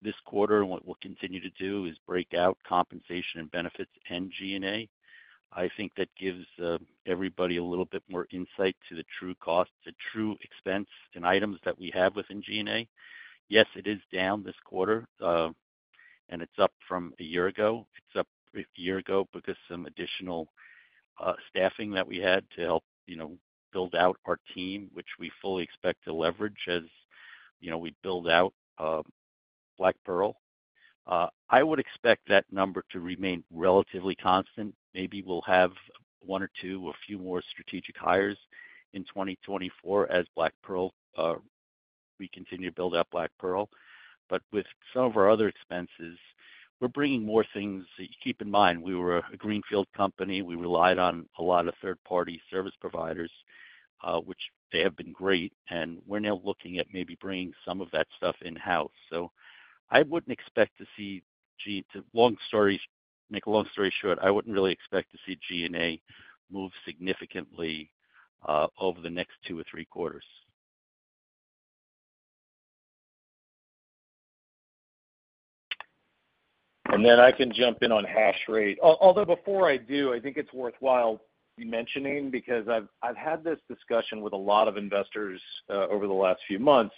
this quarter and what we'll continue to do is break out compensation and benefits and G&A. I think that gives everybody a little bit more insight to the true costs, the true expense and items that we have within G&A. Yes, it is down this quarter, and it's up from a year ago. It's up a year ago because some additional staffing that we had to help, you know, build out our team, which we fully expect to leverage as, you know, we build out Black Pearl. I would expect that number to remain relatively constant. Maybe we'll have one or two, a few more strategic hires in 2024 as Black Pearl, we continue to build out Black Pearl. But with some of our other expenses, we're bringing more things in. Keep in mind, we were a greenfield company. We relied on a lot of third-party service providers, which they have been great, and we're now looking at maybe bringing some of that stuff in-house. So I wouldn't expect to see G&A. Make a long story short, I wouldn't really expect to see G&A move significantly over the next two or three quarters. And then I can jump in on hash rate. Although before I do, I think it's worthwhile mentioning, because I've had this discussion with a lot of investors over the last few months,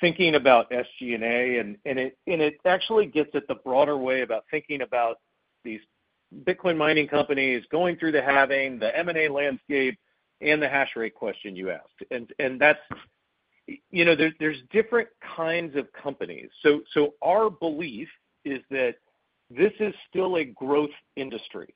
thinking about SG&A, and it actually gets at the broader way about thinking about these Bitcoin mining companies, going through the halving, the M&A landscape, and the hash rate question you asked. And that's... You know, there's different kinds of companies. So our belief is that this is still a growth industry.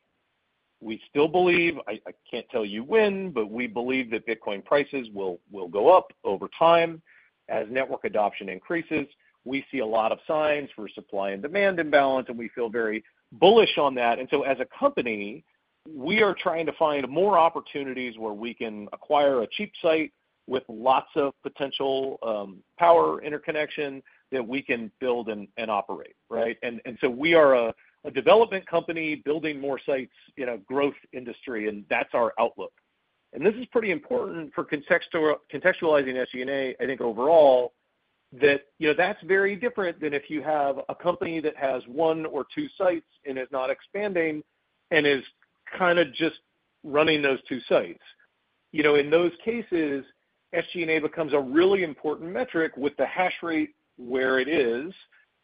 We still believe, I can't tell you when, but we believe that Bitcoin prices will go up over time as network adoption increases. We see a lot of signs for supply and demand imbalance, and we feel very bullish on that. And so as a company, we are trying to find more opportunities where we can acquire a cheap site with lots of potential power interconnection that we can build and operate, right? And so we are a development company building more sites in a growth industry, and that's our outlook. And this is pretty important for contextualizing SG&A, I think, overall, that you know, that's very different than if you have a company that has one or two sites and is not expanding and is kind of just running those two sites. You know, in those cases, SG&A becomes a really important metric with the hash rate where it is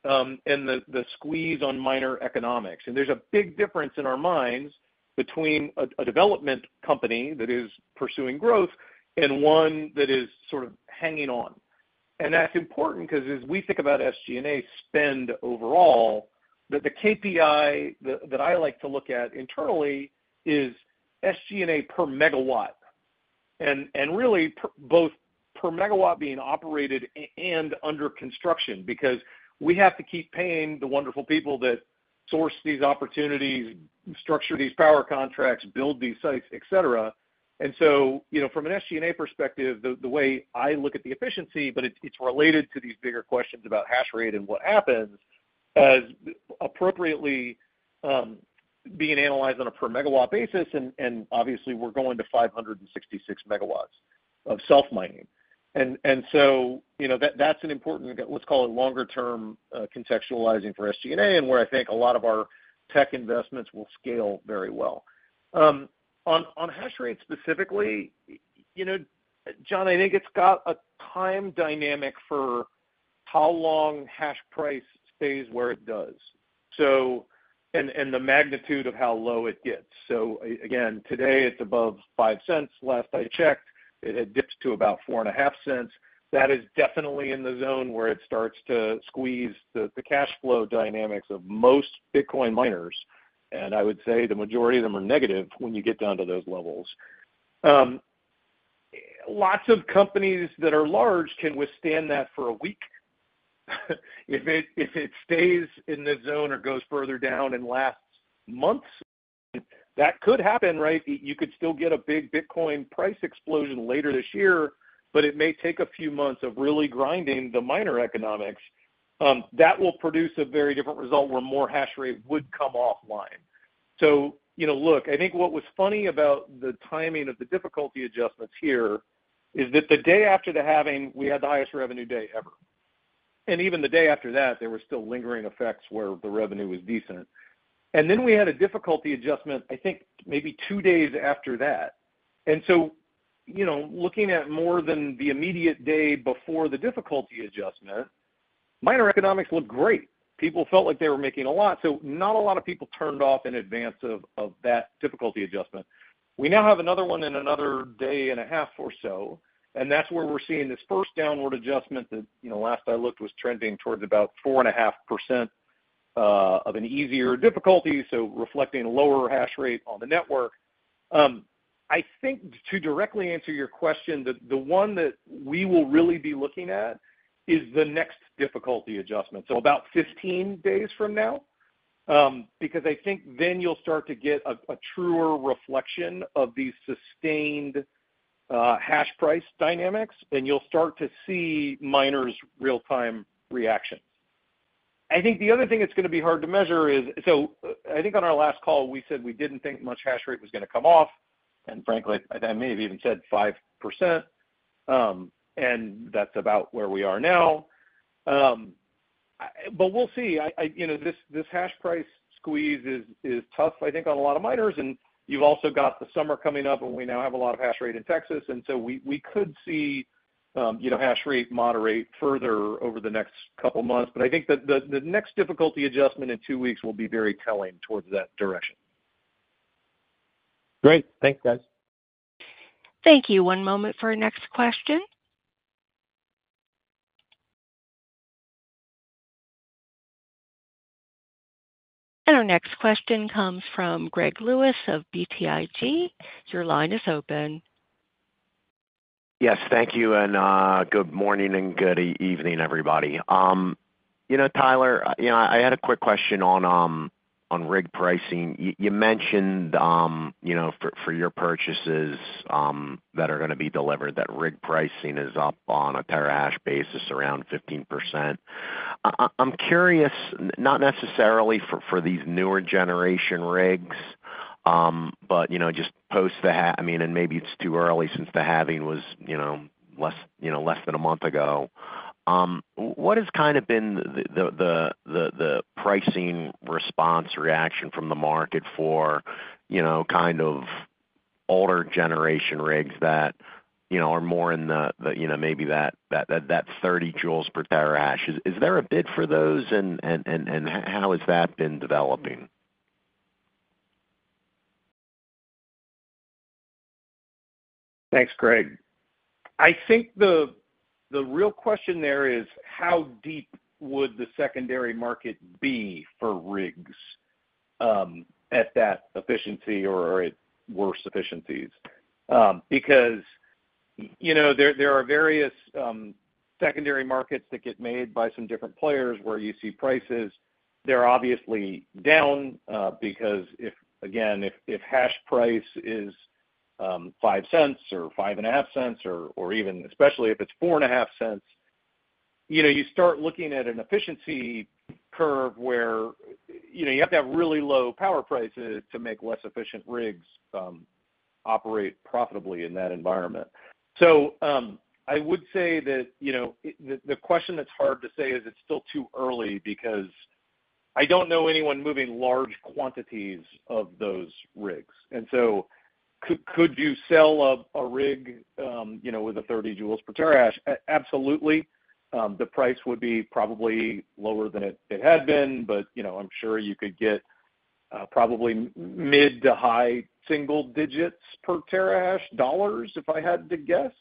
and the squeeze on miner economics. And there's a big difference in our minds between a development company that is pursuing growth and one that is sort of hanging on. And that's important because as we think about SG&A spend overall, that the KPI that I like to look at internally is SG&A per megawatt, and really both per megawatt being operated and under construction, because we have to keep paying the wonderful people that source these opportunities, structure these power contracts, build these sites, et cetera. And so, you know, from an SG&A perspective, the way I look at the efficiency, but it's related to these bigger questions about hash rate and what happens, as appropriately being analyzed on a per megawatt basis, and obviously, we're going to 566 MW of self-mining. And so, you know, that's an important, let's call it longer term contextualizing for SG&A, and where I think a lot of our tech investments will scale very well. On hash rate specifically, you know, John, I think it's got a time dynamic for how long hash price stays where it does, so and the magnitude of how low it gets. So again, today, it's above $0.05. Last I checked, it had dipped to about $0.045. That is definitely in the zone where it starts to squeeze the cash flow dynamics of most Bitcoin miners, and I would say the majority of them are negative when you get down to those levels. Lots of companies that are large can withstand that for a week. If it stays in the zone or goes further down and lasts months, that could happen, right? You could still get a big Bitcoin price explosion later this year, but it may take a few months of really grinding the miner economics. That will produce a very different result where more hash rate would come offline. So, you know, look, I think what was funny about the timing of the difficulty adjustments here is that the day after the halving, we had the highest revenue day ever. And even the day after that, there were still lingering effects where the revenue was decent. And then we had a difficulty adjustment, I think, maybe two days after that. And so, you know, looking at more than the immediate day before the difficulty adjustment, miner economics looked great. People felt like they were making a lot, so not a lot of people turned off in advance of that difficulty adjustment. We now have another one in another day and a half or so, and that's where we're seeing this first downward adjustment that, you know, last I looked, was trending towards about 4.5% of an easier difficulty, so reflecting a lower hash rate on the network. I think to directly answer your question, the one that we will really be looking at is the next difficulty adjustment, so about 15 days from now, because I think then you'll start to get a truer reflection of these sustained hash price dynamics, and you'll start to see miners' real-time reactions. I think the other thing that's gonna be hard to measure is, so I think on our last call, we said we didn't think much hash rate was gonna come off, and frankly, I may have even said 5%, and that's about where we are now. But we'll see. You know, this hash price squeeze is tough, I think, on a lot of miners, and you've also got the summer coming up, and we now have a lot of hash rate in Texas, and so we could see, you know, hash rate moderate further over the next couple months. But I think the next difficulty adjustment in two weeks will be very telling towards that direction. Great. Thanks, guys. Thank you. One moment for our next question. Our next question comes from Greg Lewis of BTIG. Your line is open. Yes, thank you, and good morning and good evening, everybody. You know, Tyler, you know, I had a quick question on rig pricing. You mentioned, you know, for your purchases that are gonna be delivered, that rig pricing is up on a terahash basis around 15%. I'm curious, not necessarily for these newer generation rigs, but you know, just post the halving, I mean, and maybe it's too early since the halving was, you know, less than a month ago. What has kind of been the pricing response reaction from the market for, you know, kind of older generation rigs that you know are more in the, you know, maybe that 30 joules per terahash? Is there a bid for those, and how has that been developing? Thanks, Greg. I think the real question there is, how deep would the secondary market be for rigs at that efficiency or at worse efficiencies? Because, you know, there are various secondary markets that get made by some different players where you see prices. They're obviously down because if, again, if hash price is $0.05 or $0.055 or even especially if it's $0.045, you know, you start looking at an efficiency curve where, you know, you have to have really low power prices to make less efficient rigs operate profitably in that environment. So, I would say that, you know, the question that's hard to say is it's still too early because... I don't know anyone moving large quantities of those rigs. And so could you sell a rig, you know, with a 30 J/TH? Absolutely. The price would be probably lower than it had been, but, you know, I'm sure you could get, probably mid- to high single digits dollars per TH, if I had to guess.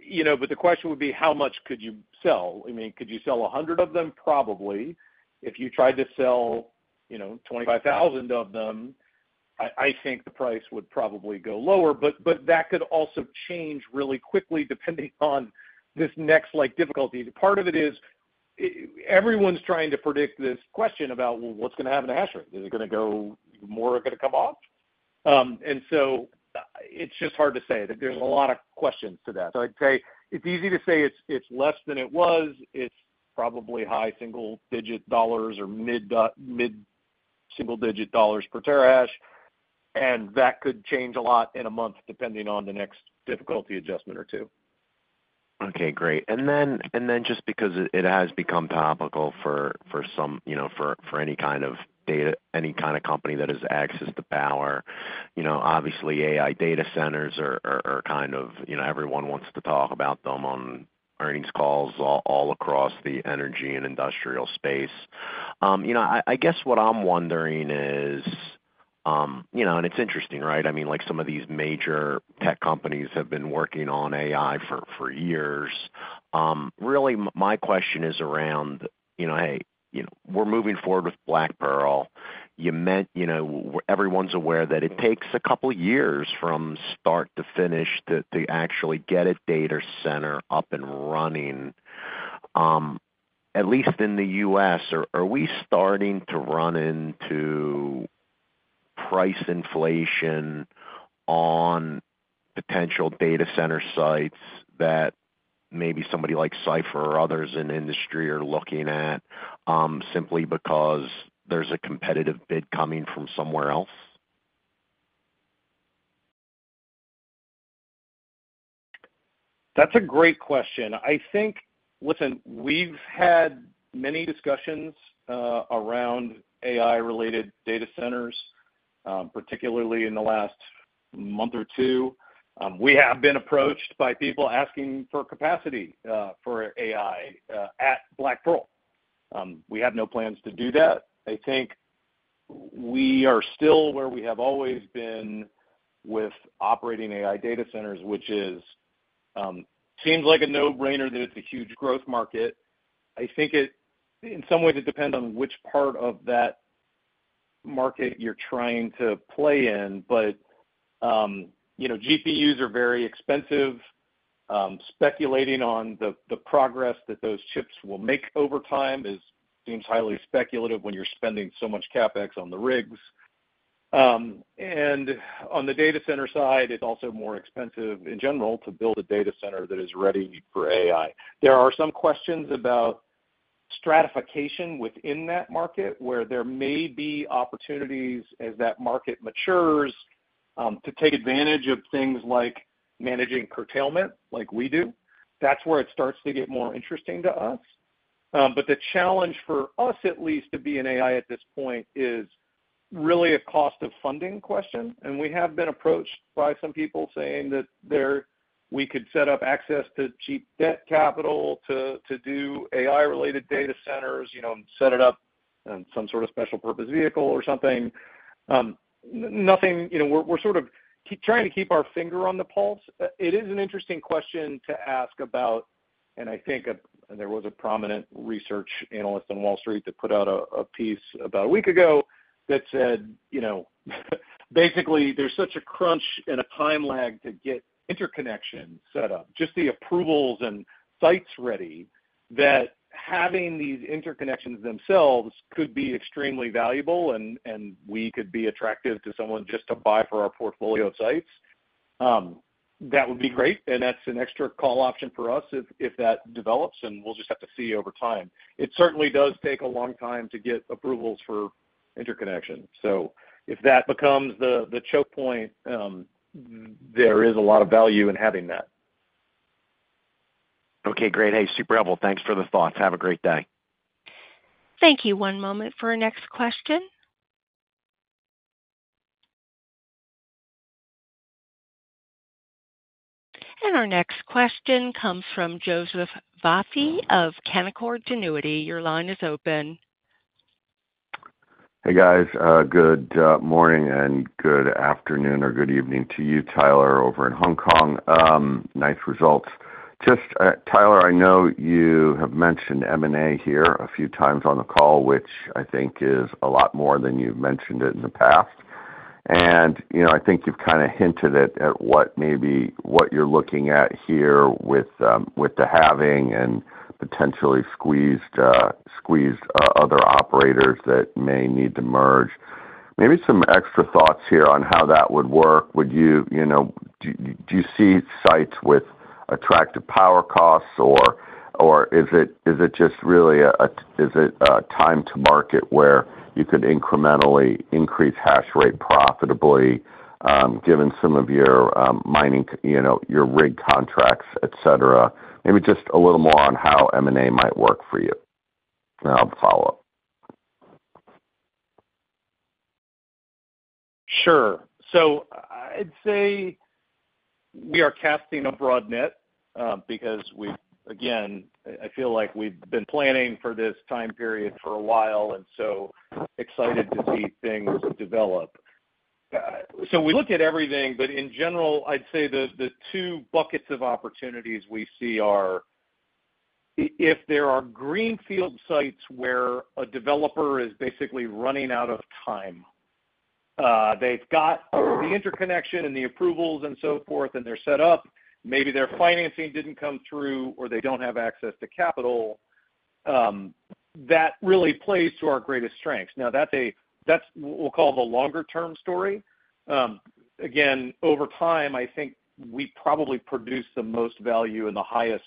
You know, but the question would be, how much could you sell? I mean, could you sell 100 of them? Probably. If you tried to sell, you know, 25,000 of them, I think the price would probably go lower, but that could also change really quickly, depending on this next, like, difficulty. Part of it is, everyone's trying to predict this question about, well, what's gonna happen to hash rate? Is it gonna go... More are gonna come off? It's just hard to say. There's a lot of questions to that. So I'd say, it's easy to say it's less than it was. It's probably high single-digit dollars or mid single-digit dollars per terahash, and that could change a lot in a month, depending on the next difficulty adjustment or two. Okay, great. And then just because it has become topical for some, you know, for any kind of data—any kind of company that has access to power, you know, obviously, AI data centers are kind of, you know, everyone wants to talk about them on earnings calls all across the energy and industrial space. You know, I guess what I'm wondering is, you know, and it's interesting, right? I mean, like, some of these major tech companies have been working on AI for years. Really, my question is around, you know, hey, you know, we're moving forward with Black Pearl. You know, everyone's aware that it takes a couple years from start to finish to actually get a data center up and running. At least in the U.S., are we starting to run into price inflation on potential data center sites that maybe somebody like Cipher or others in the industry are looking at, simply because there's a competitive bid coming from somewhere else? That's a great question. I think... Listen, we've had many discussions around AI-related data centers, particularly in the last month or two. We have been approached by people asking for capacity for AI at Black Pearl. We have no plans to do that. I think we are still where we have always been with operating AI data centers, which is, seems like a no-brainer that it's a huge growth market. I think it, in some ways, it depends on which part of that market you're trying to play in, but, you know, GPUs are very expensive. Speculating on the progress that those chips will make over time seems highly speculative when you're spending so much CapEx on the rigs. And on the data center side, it's also more expensive, in general, to build a data center that is ready for AI. There are some questions about stratification within that market, where there may be opportunities as that market matures, to take advantage of things like managing curtailment, like we do. That's where it starts to get more interesting to us. But the challenge for us, at least, to be an AI at this point, is really a cost of funding question, and we have been approached by some people saying that they're—we could set up access to cheap debt capital to, to do AI-related data centers, you know, and set it up in some sort of special purpose vehicle or something. Nothing, you know, we're, we're sort of keeping our finger on the pulse. It is an interesting question to ask about, and I think there was a prominent research analyst on Wall Street that put out a piece about a week ago that said, you know, basically, there's such a crunch and a time lag to get interconnection set up, just the approvals and sites ready, that having these interconnections themselves could be extremely valuable, and we could be attractive to someone just to buy for our portfolio of sites. That would be great, and that's an extra call option for us if that develops, and we'll just have to see over time. It certainly does take a long time to get approvals for interconnection. So if that becomes the choke point, there is a lot of value in having that. Okay, great. Hey, super helpful. Thanks for the thoughts. Have a great day. Thank you. One moment for our next question. Our next question comes from Joseph Vafi of Canaccord Genuity. Your line is open. Hey, guys, good morning, and good afternoon or good evening to you, Tyler, over in Hong Kong. Nice results. Just Tyler, I know you have mentioned M&A here a few times on the call, which I think is a lot more than you've mentioned it in the past. You know, I think you've kind of hinted at what you're looking at here with the halving and potentially squeezed other operators that may need to merge. Maybe some extra thoughts here on how that would work. Would you, you know, do you see sites with attractive power costs, or is it just really a time to market, where you could incrementally increase hash rate profitably, given some of your mining, you know, your rig contracts, et cetera? Maybe just a little more on how M&A might work for you. I'll follow up.... Sure. So I'd say we are casting a broad net, because we've, again, I feel like we've been planning for this time period for a while, and so excited to see things develop. So we look at everything, but in general, I'd say the, the two buckets of opportunities we see are, if there are greenfield sites where a developer is basically running out of time, they've got the interconnection and the approvals and so forth, and they're set up, maybe their financing didn't come through, or they don't have access to capital, that really plays to our greatest strengths. Now, that's what we'll call the longer term story. Again, over time, I think we probably produce the most value and the highest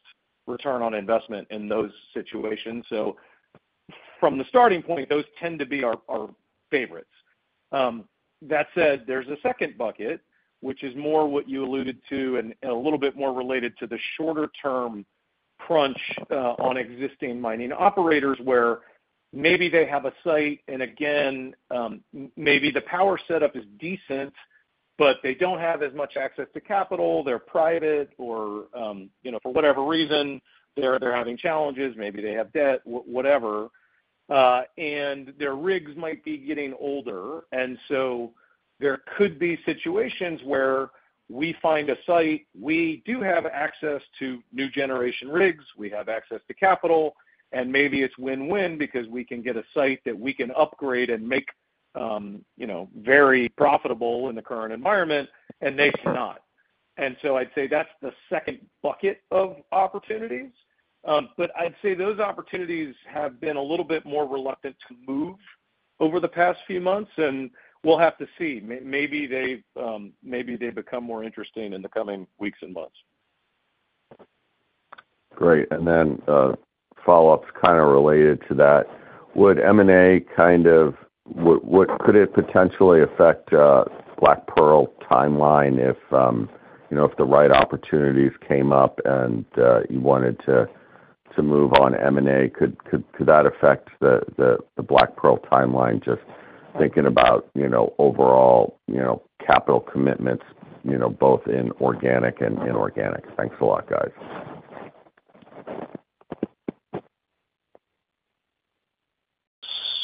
return on investment in those situations. So from the starting point, those tend to be our, our favorites. That said, there's a second bucket, which is more what you alluded to and, and a little bit more related to the shorter term crunch, on existing mining operators, where maybe they have a site, and again, maybe the power setup is decent, but they don't have as much access to capital. They're private, or, you know, for whatever reason, they're, they're having challenges. Maybe they have debt, whatever, and their rigs might be getting older. And so there could be situations where we find a site, we do have access to new generation rigs, we have access to capital, and maybe it's win-win because we can get a site that we can upgrade and make, you know, very profitable in the current environment, and they cannot. And so I'd say that's the second bucket of opportunities. But I'd say those opportunities have been a little bit more reluctant to move over the past few months, and we'll have to see. Maybe they, maybe they become more interesting in the coming weeks and months. Great. And then follow-ups kind of related to that. Could M&A kind of potentially affect Black Pearl timeline if you know, if the right opportunities came up and you wanted to move on M&A, could that affect the Black Pearl timeline? Just thinking about you know, overall, you know, capital commitments you know, both in organic and inorganic. Thanks a lot, guys.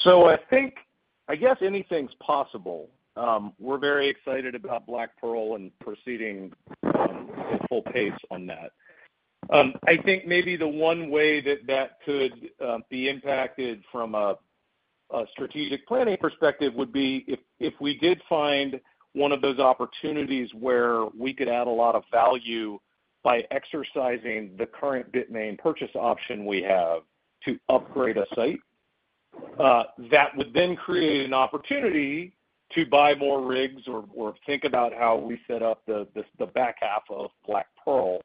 So I think, I guess anything's possible. We're very excited about Black Pearl and proceeding at full pace on that. I think maybe the one way that that could be impacted from a strategic planning perspective would be if we did find one of those opportunities where we could add a lot of value by exercising the current Bitmain purchase option we have to upgrade a site, that would then create an opportunity to buy more rigs or think about how we set up the back half of Black Pearl.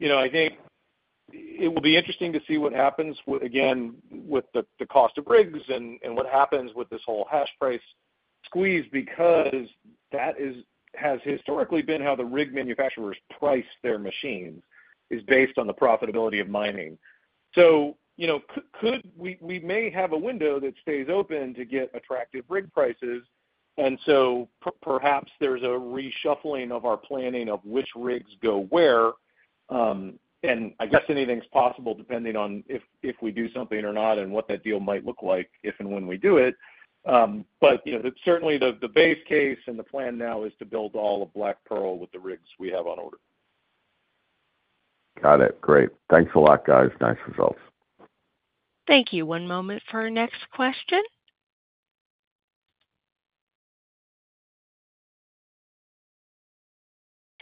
You know, I think it will be interesting to see what happens again with the cost of rigs and what happens with this whole hash price squeeze, because that has historically been how the rig manufacturers price their machines, is based on the profitability of mining. So, you know, we may have a window that stays open to get attractive rig prices, and so perhaps there's a reshuffling of our planning of which rigs go where. And I guess anything's possible, depending on if we do something or not, and what that deal might look like if and when we do it. But, you know, certainly the base case and the plan now is to build all of Black Pearl with the rigs we have on order. Got it. Great. Thanks a lot, guys. Nice results. Thank you. One moment for our next question.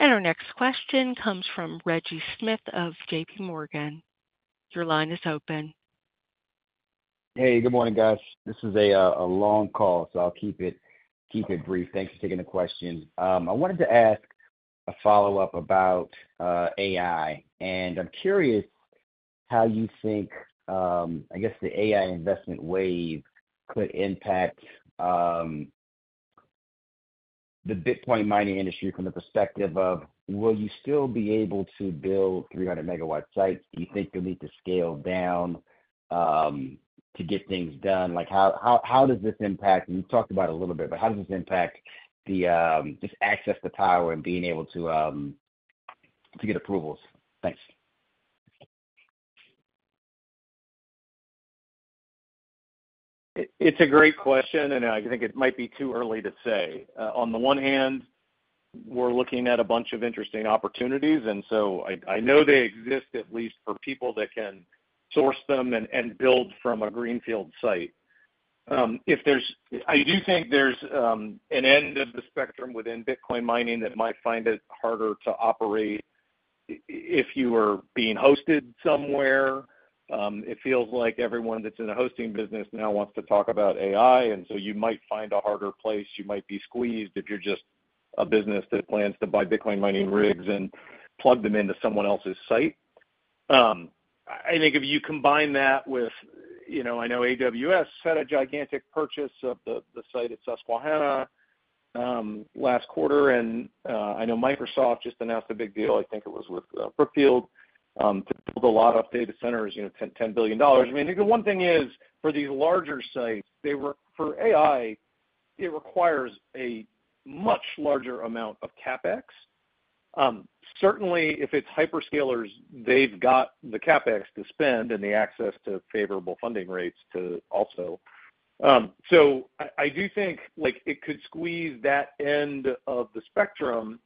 Our next question comes from Reggie Smith of J.P. Morgan. Your line is open. Hey, good morning, guys. This is a long call, so I'll keep it, keep it brief. Thanks for taking the questions. I wanted to ask a follow-up about AI, and I'm curious how you think, I guess, the AI investment wave could impact the Bitcoin mining industry from the perspective of, will you still be able to build 300 MW sites? Do you think you'll need to scale down to get things done? Like, how, how, how does this impact... You talked about it a little bit, but how does this impact the just access to power and being able to to get approvals? Thanks. It's a great question, and I think it might be too early to say. On the one hand, we're looking at a bunch of interesting opportunities, and so I know they exist, at least for people that can source them and build from a greenfield site. I do think there's an end of the spectrum within Bitcoin mining that might find it harder to operate if you are being hosted somewhere. It feels like everyone that's in the hosting business now wants to talk about AI, and so you might find a harder place. You might be squeezed if you're just a business that plans to buy Bitcoin mining rigs and plug them into someone else's site. I think if you combine that with, you know, I know AWS set a gigantic purchase of the site at Susquehanna last quarter, and I know Microsoft just announced a big deal. I think it was with Brookfield to build a lot of data centers, you know, $10 billion. I mean, the one thing is, for these larger sites, they were for AI, it requires a much larger amount of CapEx. Certainly, if it's hyperscalers, they've got the CapEx to spend and the access to favorable funding rates to also. So I do think, like, it could squeeze that end of the spectrum,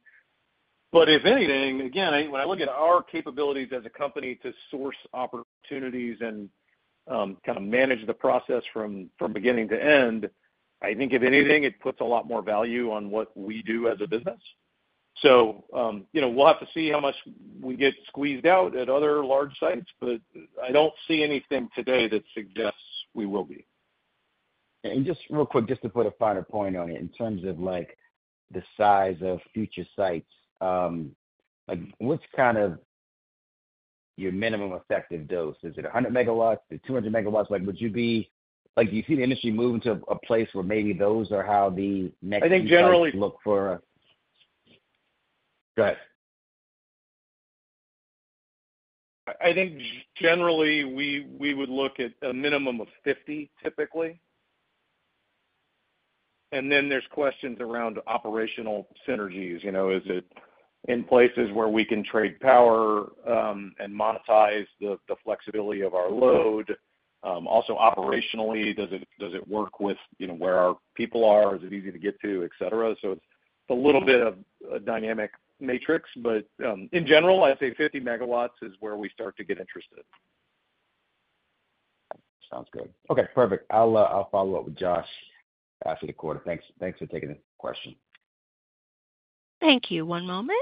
but if anything, again, I—when I look at our capabilities as a company to source opportunities and kind of manage the process from beginning to end, I think if anything, it puts a lot more value on what we do as a business. So you know, we'll have to see how much we get squeezed out at other large sites, but I don't see anything today that suggests we will be. And just real quick, just to put a finer point on it, in terms of, like, the size of future sites, like, what's kind of your minimum effective dose? Is it 100 MW? Is it 200 MW? Like, would you be... Like, do you see the industry moving to a place where maybe those are how the next- I think generally- Go ahead. I think generally, we would look at a minimum of 50, typically. Then there's questions around operational synergies. You know, is it in places where we can trade power, and monetize the flexibility of our load? Also operationally, does it work with, you know, where our people are? Is it easy to get to, et cetera? So it's a little bit of a dynamic matrix, but, in general, I'd say 50 MW is where we start to get interested. Sounds good. Okay, perfect. I'll follow up with Josh after the quarter. Thanks, thanks for taking the question. Thank you. One moment.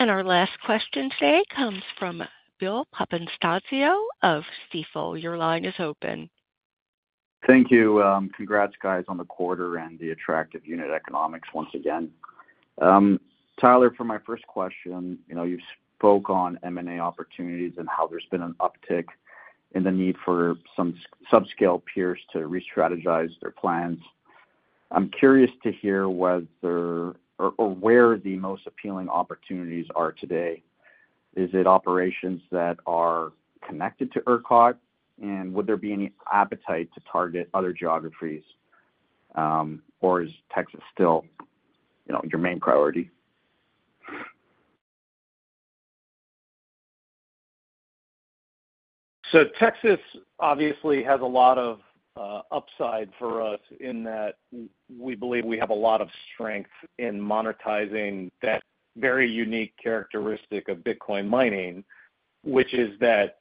Our last question today comes from Bill Papanastasiou of Stifel. Your line is open. Thank you. Congrats, guys, on the quarter and the attractive unit economics once again. Tyler, for my first question, you know, you spoke on M&A opportunities and how there's been an uptick in the need for some subscale peers to re-strategize their plans. I'm curious to hear whether or where the most appealing opportunities are today. Is it operations that are connected to ERCOT? And would there be any appetite to target other geographies, or is Texas still, you know, your main priority? So Texas obviously has a lot of upside for us in that we believe we have a lot of strength in monetizing that very unique characteristic of Bitcoin mining, which is that,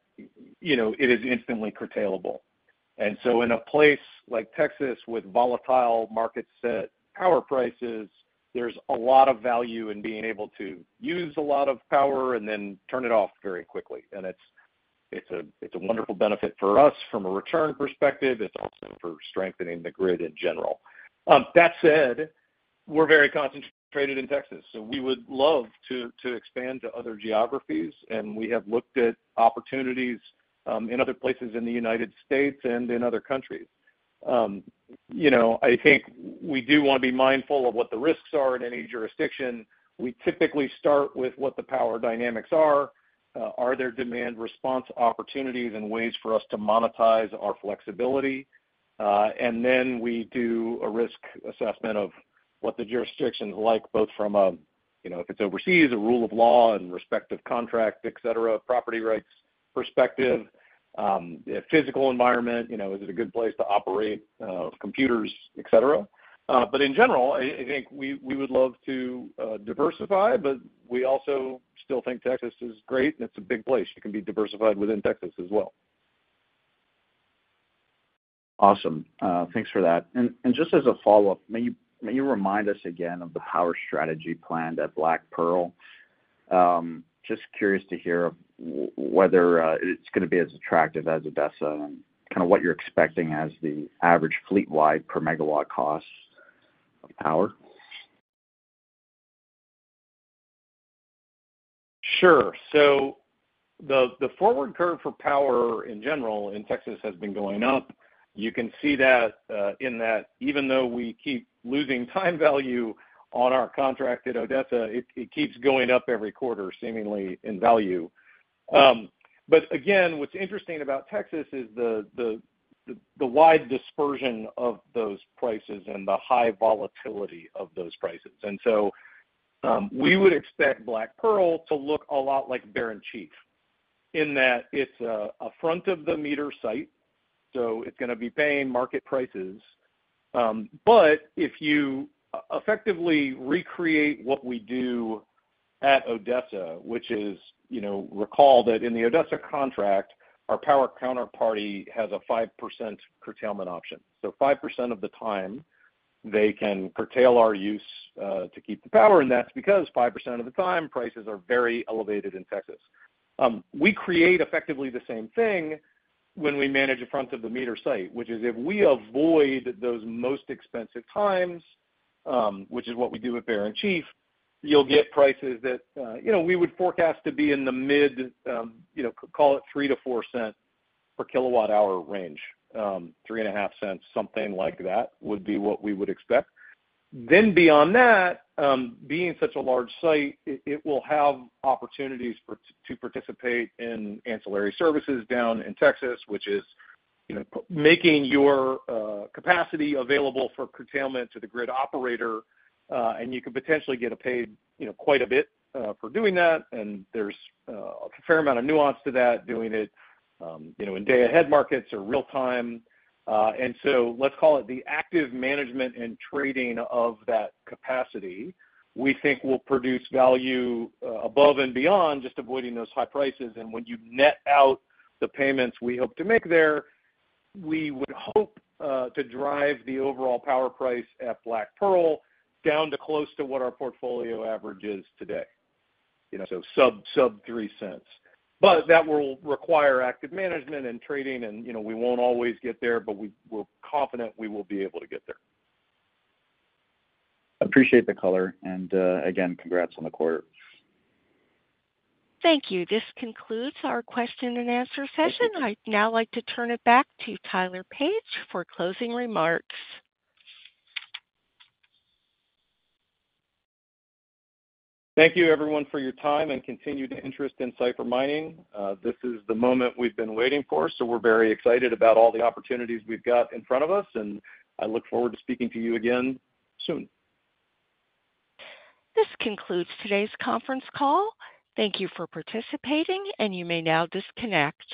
you know, it is instantly curtailable. And so in a place like Texas, with volatile market set power prices, there's a lot of value in being able to use a lot of power and then turn it off very quickly. And it's, it's a, it's a wonderful benefit for us from a return perspective. It's also for strengthening the grid in general. That said, we're very concentrated in Texas, so we would love to expand to other geographies, and we have looked at opportunities in other places in the United States and in other countries. You know, I think we do want to be mindful of what the risks are in any jurisdiction. We typically start with what the power dynamics are. Are there demand response opportunities and ways for us to monetize our flexibility? And then we do a risk assessment of what the jurisdiction is like, both from a, you know, if it's overseas, a rule of law and respective contract, et cetera, property rights perspective, a physical environment, you know, is it a good place to operate, computers, et cetera? But in general, I, I think we, we would love to, diversify, but we also still think Texas is great, and it's a big place. You can be diversified within Texas as well. Awesome. Thanks for that. And just as a follow-up, may you remind us again of the power strategy planned at Black Pearl? Just curious to hear whether it's gonna be as attractive as Odessa and kind of what you're expecting as the average fleet-wide per megawatt cost of power. Sure. So the forward curve for power in general in Texas has been going up. You can see that, in that even though we keep losing time value on our contract at Odessa, it keeps going up every quarter, seemingly, in value. But again, what's interesting about Texas is the wide dispersion of those prices and the high volatility of those prices. And so, we would expect Black Pearl to look a lot like Bear and Chief, in that it's a front-of-the-meter site, so it's gonna be paying market prices. But if you effectively recreate what we do at Odessa, which is, you know, recall that in the Odessa contract, our power counterparty has a 5% curtailment option. So 5% of the time, they can curtail our use to keep the power, and that's because 5% of the time, prices are very elevated in Texas. We create effectively the same thing when we manage a front-of-the-meter site, which is, if we avoid those most expensive times, which is what we do at Bear and Chief, you'll get prices that, you know, we would forecast to be in the mid, you know, call it $0.03-$0.04 per kWh range. $0.035, something like that, would be what we would expect. Then beyond that, being such a large site, it will have opportunities to participate in ancillary services down in Texas, which is, you know, making your capacity available for curtailment to the grid operator, and you can potentially get paid, you know, quite a bit for doing that, and there's a fair amount of nuance to that, doing it, you know, in day-ahead markets or real time. And so let's call it the active management and trading of that capacity; we think will produce value above and beyond just avoiding those high prices. And when you net out the payments we hope to make there, we would hope to drive the overall power price at Black Pearl down to close to what our portfolio average is today. You know, so sub-$0.03. But that will require active management and trading and, you know, we won't always get there, but we're confident we will be able to get there. Appreciate the color, and, again, congrats on the quarter. Thank you. This concludes our question and answer session. I'd now like to turn it back to Tyler Page for closing remarks. Thank you, everyone, for your time and continued interest in Cipher Mining. This is the moment we've been waiting for, so we're very excited about all the opportunities we've got in front of us, and I look forward to speaking to you again soon. This concludes today's conference call. Thank you for participating, and you may now disconnect.